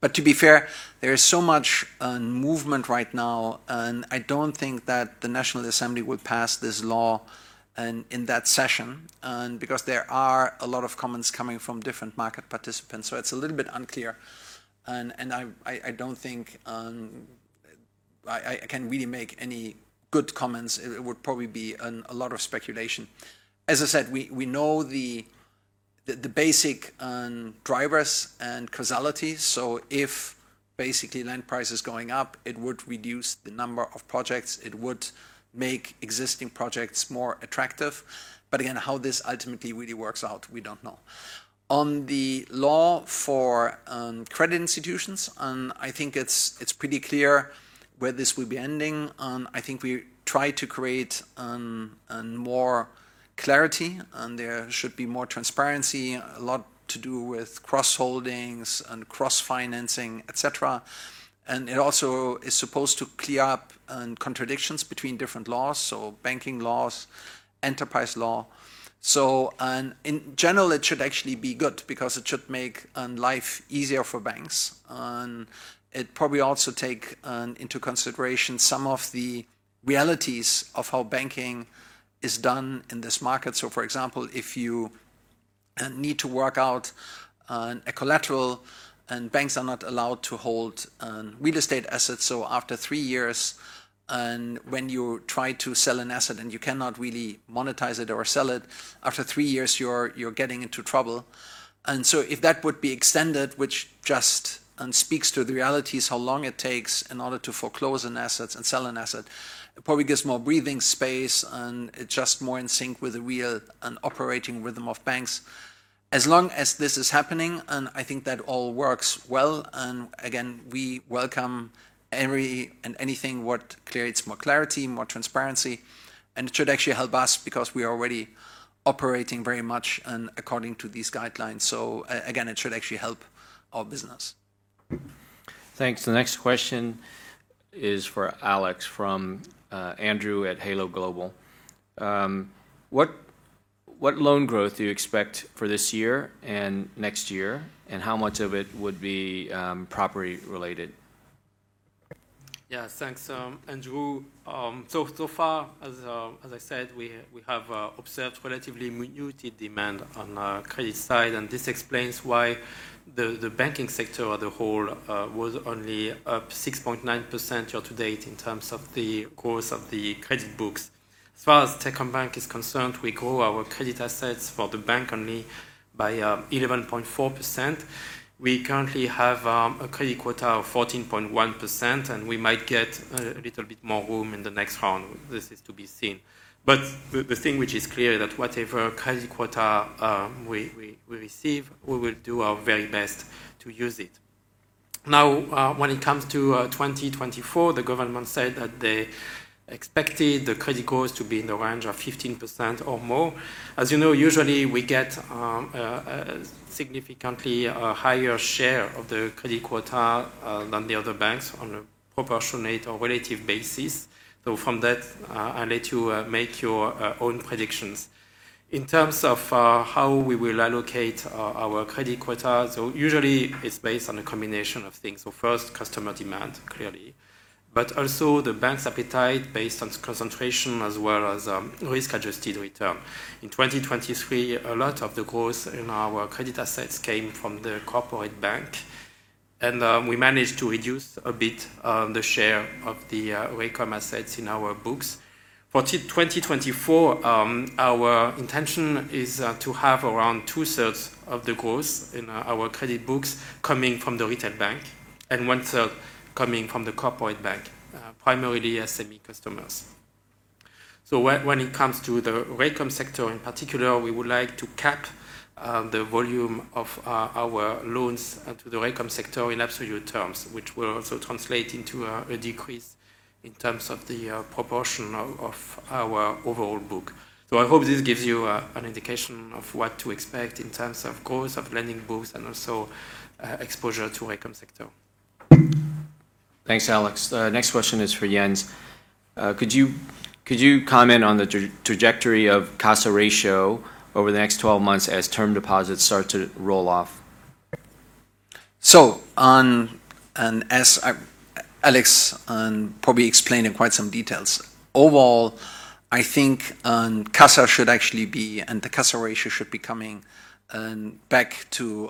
But to be fair, there is so much movement right now, and I don't think that the National Assembly will pass this law in that session because there are a lot of comments coming from different market participants. So it's a little bit unclear, and I don't think I can really make any good comments. It would probably be a lot of speculation. As I said, we know the basic drivers and causality, so if basically land price is going up, it would reduce the number of projects, it would make existing projects more attractive. But again, how this ultimately really works out, we don't know. On the law for credit institutions, I think it's pretty clear where this will be ending. I think we try to create more clarity, and there should be more transparency, a lot to do with cross-holdings and cross-financing, et cetera. And it also is supposed to clear up contradictions between different laws, so banking laws, enterprise law. So, in general, it should actually be good because it should make life easier for banks. And it probably also take into consideration some of the realities of how banking is done in this market. So, for example, if you need to work out a collateral, and banks are not allowed to hold real estate assets, so after three years, and when you try to sell an asset and you cannot really monetize it or sell it, after three years, you're getting into trouble. And so if that would be extended, which just speaks to the realities, how long it takes in order to foreclose an assets and sell an asset, it probably gives more breathing space, and it's just more in sync with the real and operating rhythm of banks. As long as this is happening, and I think that all works well, and again, we welcome every and anything what creates more clarity, more transparency, and it should actually help us because we are already operating very much, according to these guidelines. So again, it should actually help our business. Thanks. The next question is for Alex from Andrew at Halo Global. What, what loan growth do you expect for this year and next year, and how much of it would be property-related? Yeah, thanks, Andrew. So far, as I said, we have observed relatively muted demand on our credit side, and this explains why the banking sector as a whole was only up 6.9% year to date in terms of the growth of the credit books. As far as Techcombank is concerned, we grew our credit assets for the bank only by 11.4%. We currently have a credit quota of 14.1%, and we might get a little bit more room in the next round. This is to be seen. But the thing which is clear that whatever credit quota we receive, we will do our very best to use it. Now, when it comes to 2024, the government said that they expected the credit growth to be in the range of 15% or more. As you know, usually, we get a significantly higher share of the credit quota than the other banks on a proportionate or relative basis. So from that, I'll let you make your own predictions. In terms of how we will allocate our credit quota, so usually it's based on a combination of things. So first, customer demand, clearly, but also the bank's appetite based on concentration as well as risk-adjusted return. In 2023, a lot of the growth in our credit assets came from the corporate bank, and we managed to reduce a bit the share of the real estate assets in our books. For 2024, our intention is to have around two-thirds of the growth in our credit books coming from the retail bank and one-third coming from the corporate bank, primarily SME customers. So when it comes to the real estate sector in particular, we would like to cap the volume of our loans to the real estate sector in absolute terms, which will also translate into a decrease in terms of the proportion of our overall book. So I hope this gives you an indication of what to expect in terms of growth of lending books, and also exposure to real estate sector. Thanks, Alex. The next question is for Jens. Could you, could you comment on the trajectory of CASA ratio over the next 12 months as term deposits start to roll off? And as I, Alex, probably explained in quite some details. Overall, I think, CASA should actually be and the CASA ratio should be coming back to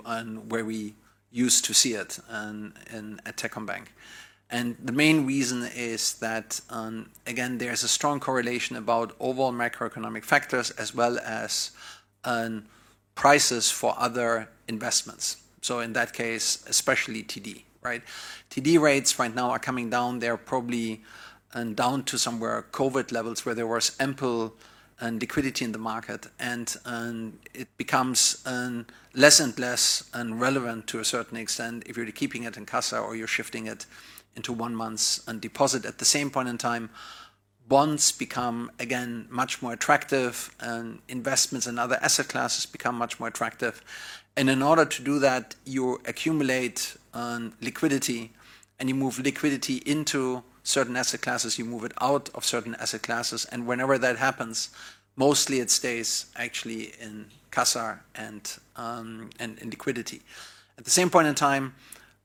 where we used to see it in at Techcombank. And the main reason is that, again, there's a strong correlation about overall macroeconomic factors as well as prices for other investments. So in that case, especially TD, right? TD rates right now are coming down. They're probably down to somewhere COVID levels, where there was ample liquidity in the market, and it becomes less and less relevant to a certain extent if you're keeping it in CASA or you're shifting it into one month's deposit. At the same point in time, bonds become, again, much more attractive, and investments in other asset classes become much more attractive. In order to do that, you accumulate liquidity, and you move liquidity into certain asset classes. You move it out of certain asset classes. Whenever that happens, mostly it stays actually in CASA and in liquidity. At the same point in time,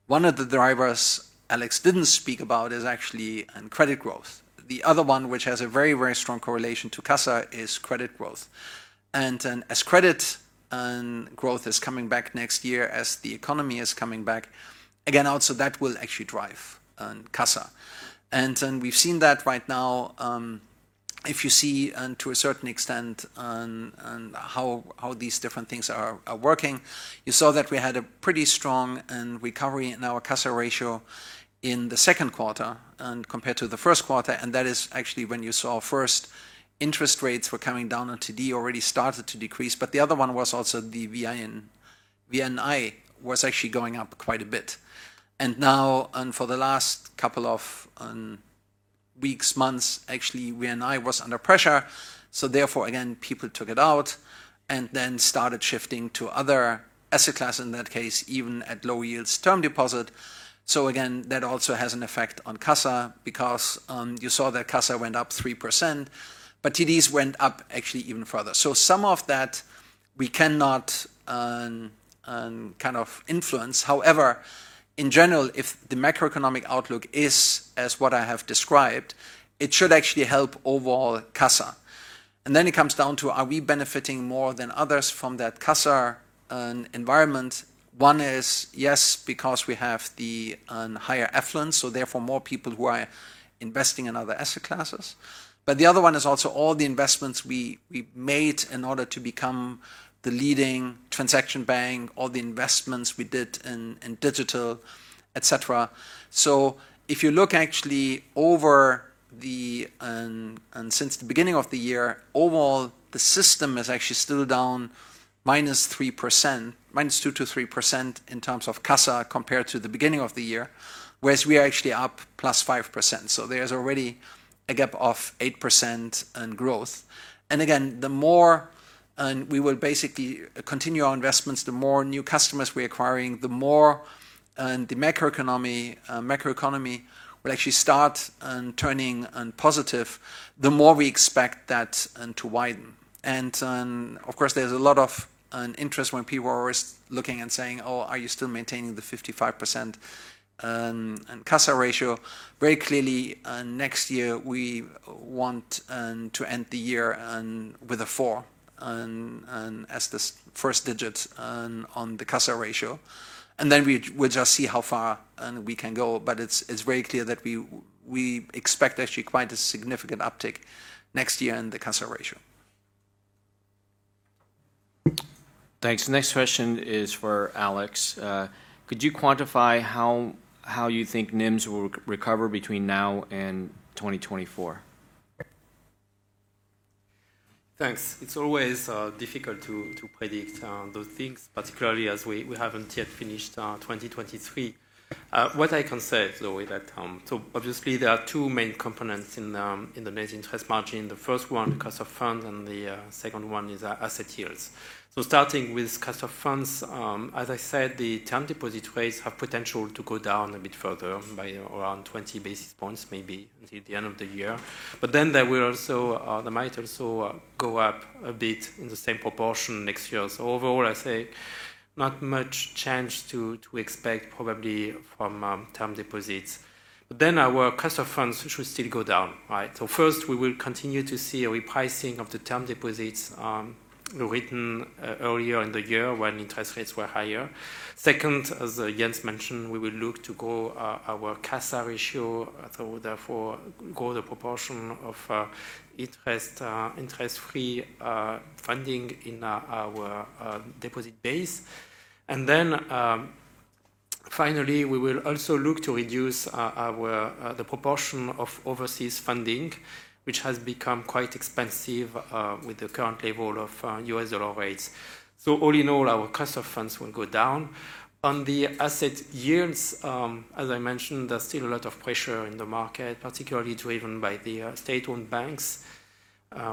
one of the drivers Alex didn't speak about is actually credit growth. The other one, which has a very, very strong correlation to CASA, is credit growth. Then as credit growth is coming back next year, as the economy is coming back, again, also that will actually drive CASA. We've seen that right now, if you see, to a certain extent, how these different things are working, you saw that we had a pretty strong recovery in our CASA ratio in the second quarter, compared to the first quarter, and that is actually when you saw first interest rates were coming down, and TD already started to decrease. But the other one was also the VNI was actually going up quite a bit. And now, for the last couple of weeks, months, actually, VNI was under pressure, so therefore, again, people took it out and then started shifting to other asset class, in that case, even at low yields, term deposit. So again, that also has an effect on CASA because you saw that CASA went up 3%, but TDs went up actually even further. So some of that we cannot kind of influence. However, in general, if the macroeconomic outlook is as what I have described, it should actually help overall CASA. And then it comes down to, are we benefiting more than others from that CASA environment? One is, yes, because we have the higher affluence, so therefore, more people who are investing in other asset classes. But the other one is also all the investments we made in order to become the leading transaction bank, all the investments we did in digital, et cetera. So if you look actually over the, since the beginning of the year, overall, the system is actually still down -3%, -2% to -3% in terms of CASA compared to the beginning of the year, whereas we are actually up +5%. So there's already a gap of 8% in growth. And again, the more... we will basically continue our investments, the more new customers we're acquiring, the more, the macroeconomy, macroeconomy will actually start, turning, positive, the more we expect that, to widen. Of course, there's a lot of interest when people are always looking and saying: "Oh, are you still maintaining the 55% CASA ratio?" Very clearly, next year, we want to end the year with a 4 as the first digit on the CASA ratio, and then we, we'll just see how far we can go. But it's, it's very clear that we, we expect actually quite a significant uptick next year in the CASA ratio. Thanks. The next question is for Alex. Could you quantify how you think NIMs will recover between now and 2024? Thanks. It's always difficult to predict those things, particularly as we haven't yet finished 2023. What I can say, though, is that so obviously, there are two main components in the net interest margin. The first one, cost of funds, and the second one is asset yields. So starting with cost of funds, as I said, the term deposit rates have potential to go down a bit further by around 20 basis points, maybe until the end of the year. But then they will also - they might also go up a bit in the same proportion next year. So overall, I say not much change to expect probably from term deposits. But then our cost of funds should still go down, right? So first, we will continue to see a repricing of the term deposits, written earlier in the year when interest rates were higher. Second, as Jens mentioned, we will look to grow our CASA ratio, so therefore, grow the proportion of interest-free funding in our deposit base. And then, finally, we will also look to reduce our the proportion of overseas funding, which has become quite expensive with the current level of U.S dollar rates. So all in all, our cost of funds will go down. On the asset yields, as I mentioned, there's still a lot of pressure in the market, particularly driven by the state-owned banks,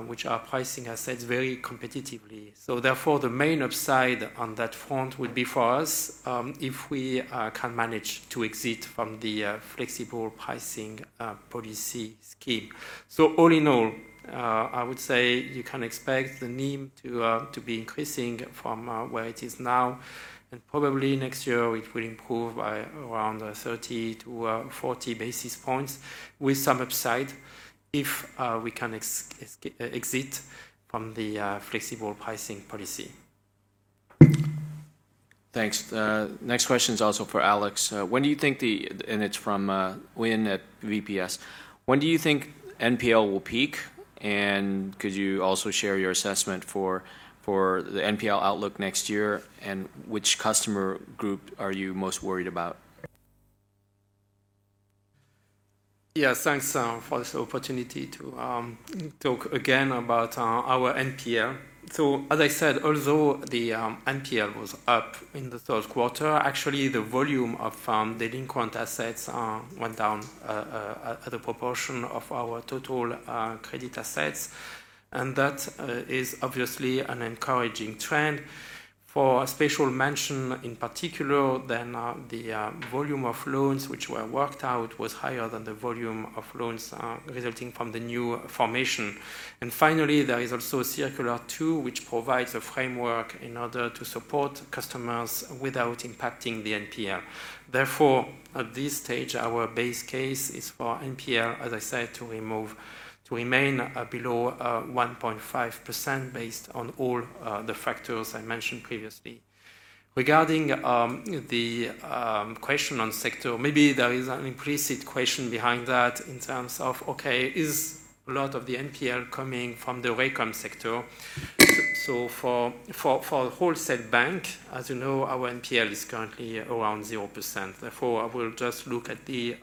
which are pricing assets very competitively. So therefore, the main upside on that front would be for us, if we can manage to exit from the flexible pricing policy scheme. So all in all, I would say you can expect the NIM to be increasing from where it is now, and probably next year it will improve by around 30-40 basis points, with some upside if we can exit from the flexible pricing policy. Thanks. Next question is also for Alex. And it's from Wynn at VPS. When do you think NPL will peak? And could you also share your assessment for the NPL outlook next year, and which customer group are you most worried about? Yeah, thanks for this opportunity to talk again about our NPL. So as I said, although the NPL was up in the third quarter, actually the volume of delinquent assets went down at a proportion of our total credit assets, and that is obviously an encouraging trend. For a special mention, in particular, then, the volume of loans which were worked out was higher than the volume of loans resulting from the new formation. And finally, there is also Circular 02, which provides a framework in order to support customers without impacting the NPL. Therefore, at this stage, our base case is for NPL, as I said, to remain below 1.5%, based on all the factors I mentioned previously. Regarding the question on sector, maybe there is an implicit question behind that in terms of, okay, is a lot of the NPL coming from the real estate sector? So for the wholesale bank, as you know, our NPL is currently around 0%. Therefore, I will just look at the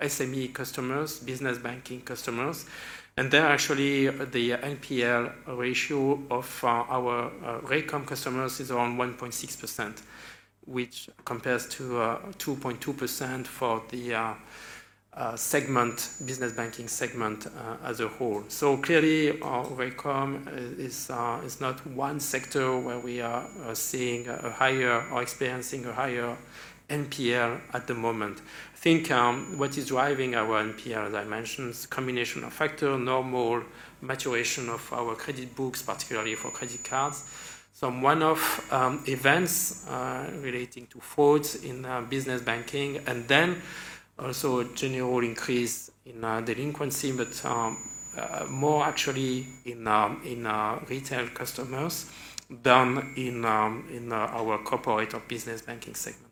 SME customers, business banking customers, and there, actually, the NPL ratio of our real estate customers is around 1.6%, which compares to 2.2% for the business banking segment as a whole. So clearly, real estate is not one sector where we are seeing a higher or experiencing a higher NPL at the moment. I think what is driving our NPL, as I mentioned, is a combination of factor, normal maturation of our credit books, particularly for credit cards. Some one-off events relating to frauds in business banking, and then also a general increase in delinquency, but more actually in retail customers than in our corporate or business banking segments.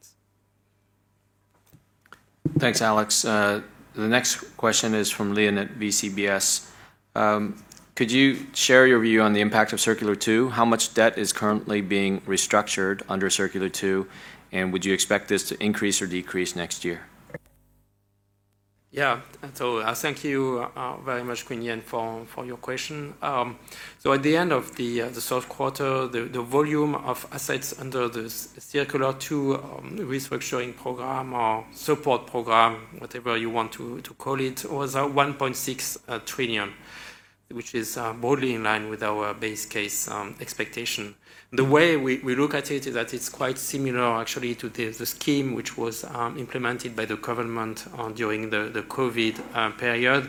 Thanks, Alex. The next question is from Leon at VCBS. Could you share your view on the impact of Circular two? How much debt is currently being restructured under Circular two, and would you expect this to increase or decrease next year? Yeah. So, thank you very much, Quan, for your question. So at the end of the third quarter, the volume of assets under the Circular two restructuring program or support program, whatever you want to call it, was at 1.6 trillion, which is broadly in line with our base case expectation. The way we look at it is that it's quite similar actually to the scheme which was implemented by the government during the Covid period.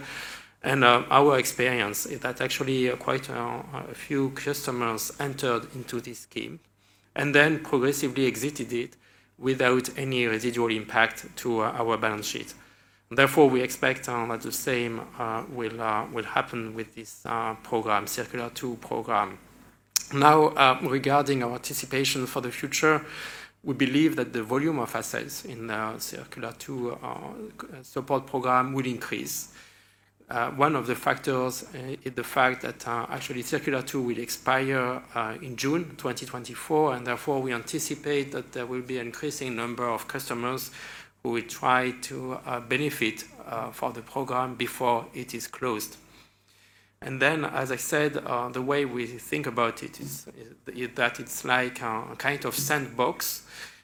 Our experience is that actually quite a few customers entered into this scheme and then progressively exited it without any residual impact to our balance sheet. Therefore, we expect that the same will happen with this program, Circular two program. Now, regarding our anticipation for the future, we believe that the volume of assets in Circular two support program will increase. One of the factors is the fact that actually, Circular two will expire in June 2024, and therefore, we anticipate that there will be an increasing number of customers who will try to benefit for the program before it is closed. And then, as I said, the way we think about it is that it's like a kind of sandbox,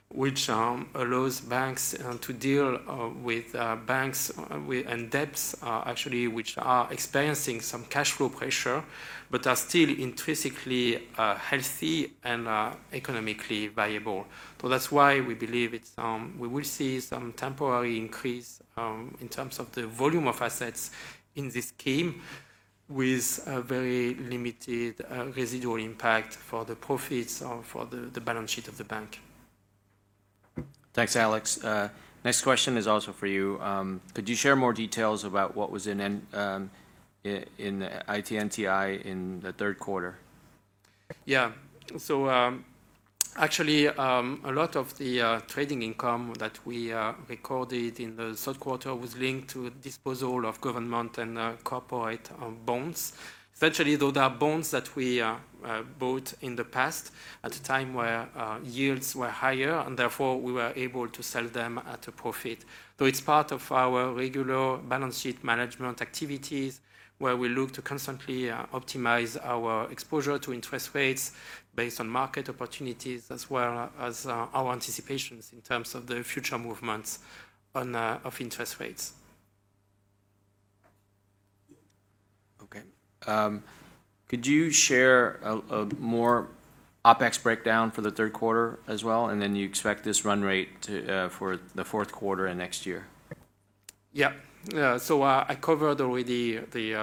which allows banks to deal with banks with and debts actually, which are experiencing some cash flow pressure, but are still intrinsically healthy and economically viable. So that's why we believe it's. We will see some temporary increase in terms of the volume of assets in this scheme, with a very limited residual impact for the profits or for the balance sheet of the bank. Thanks, Alex. Next question is also for you. Could you share more details about what was in NII in the third quarter? Yeah. So, actually, a lot of the trading income that we recorded in the third quarter was linked to disposal of government and corporate bonds. Essentially, those are bonds that we bought in the past at a time where yields were higher, and therefore, we were able to sell them at a profit. So it's part of our regular balance sheet management activities, where we look to constantly optimize our exposure to interest rates based on market opportunities, as well as our anticipations in terms of the future movements of interest rates. Okay. Could you share a more OpEx breakdown for the third quarter as well, and then you expect this run rate to for the fourth quarter and next year? Yeah. So, I covered already the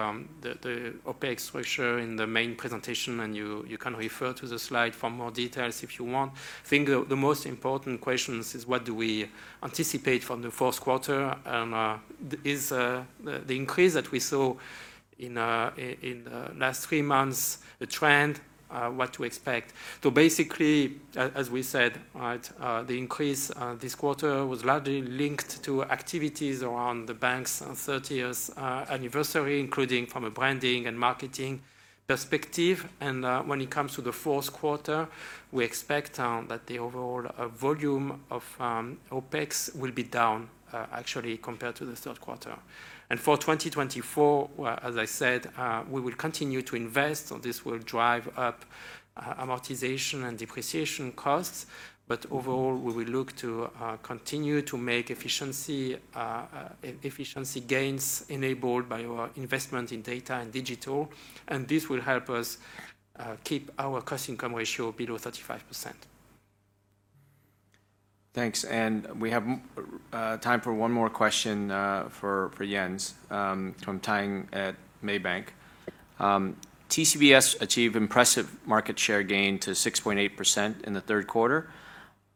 OpEx ratio in the main presentation, and you can refer to the slide for more details if you want. I think the most important questions is: What do we anticipate from the fourth quarter? And, is the increase that we saw in last three months a trend, what to expect? So basically, as we said, right, the increase this quarter was largely linked to activities around the bank's thirtieth anniversary, including from a branding and marketing perspective. And, when it comes to the fourth quarter, we expect that the overall volume of OpEx will be down, actually, compared to the third quarter. For 2024, well, as I said, we will continue to invest, so this will drive up amortization and depreciation costs. But overall, we will look to continue to make efficiency gains enabled by our investment in data and digital, and this will help us keep our cost income ratio below 35%. Thanks, and we have time for one more question for Jens from Thanh at Maybank. TCBS achieved impressive market share gain to 6.8% in the third quarter.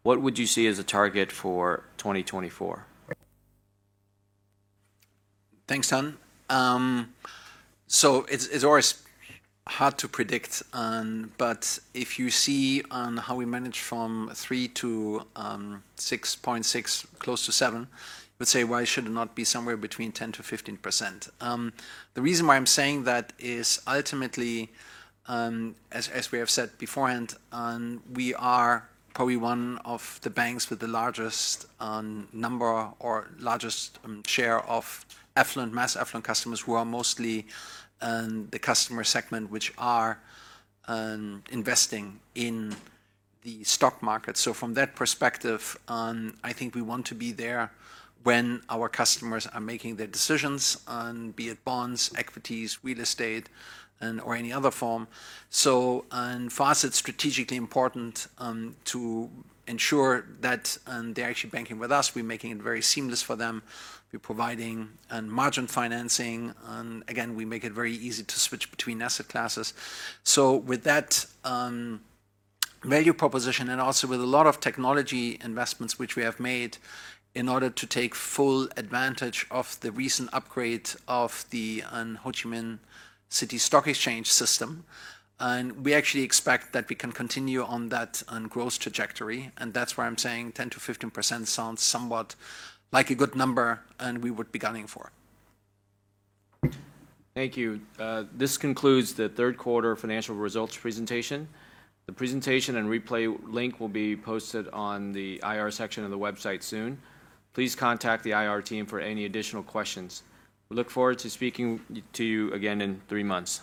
What would you see as a target for 2024? Thanks, Thanh. So it's always hard to predict, but if you see how we managed from 3 to 6.6, close to 7, I would say, why should it not be somewhere between 10%-15%? The reason why I'm saying that is ultimately, as we have said beforehand, we are probably one of the banks with the largest number or largest share of affluent, mass affluent customers, who are mostly the customer segment which are investing in the stock market. So from that perspective, I think we want to be there when our customers are making their decisions, be it bonds, equities, real estate, and... or any other form. So, and for us, it's strategically important to ensure that they're actually banking with us. We're making it very seamless for them. We're providing, margin financing, and again, we make it very easy to switch between asset classes. So with that, value proposition and also with a lot of technology investments which we have made in order to take full advantage of the recent upgrade of the, Ho Chi Minh City Stock Exchange system, and we actually expect that we can continue on that, growth trajectory, and that's why I'm saying 10%-15% sounds somewhat like a good number, and we would be gunning for it. Thank you. This concludes the third quarter financial results presentation. The presentation and replay link will be posted on the IR section of the website soon. Please contact the IR team for any additional questions. We look forward to speaking to you again in three months.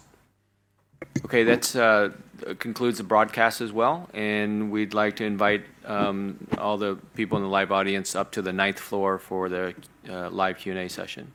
Okay, that concludes the broadcast as well, and we'd like to invite all the people in the live audience up to the ninth floor for the live Q&A session.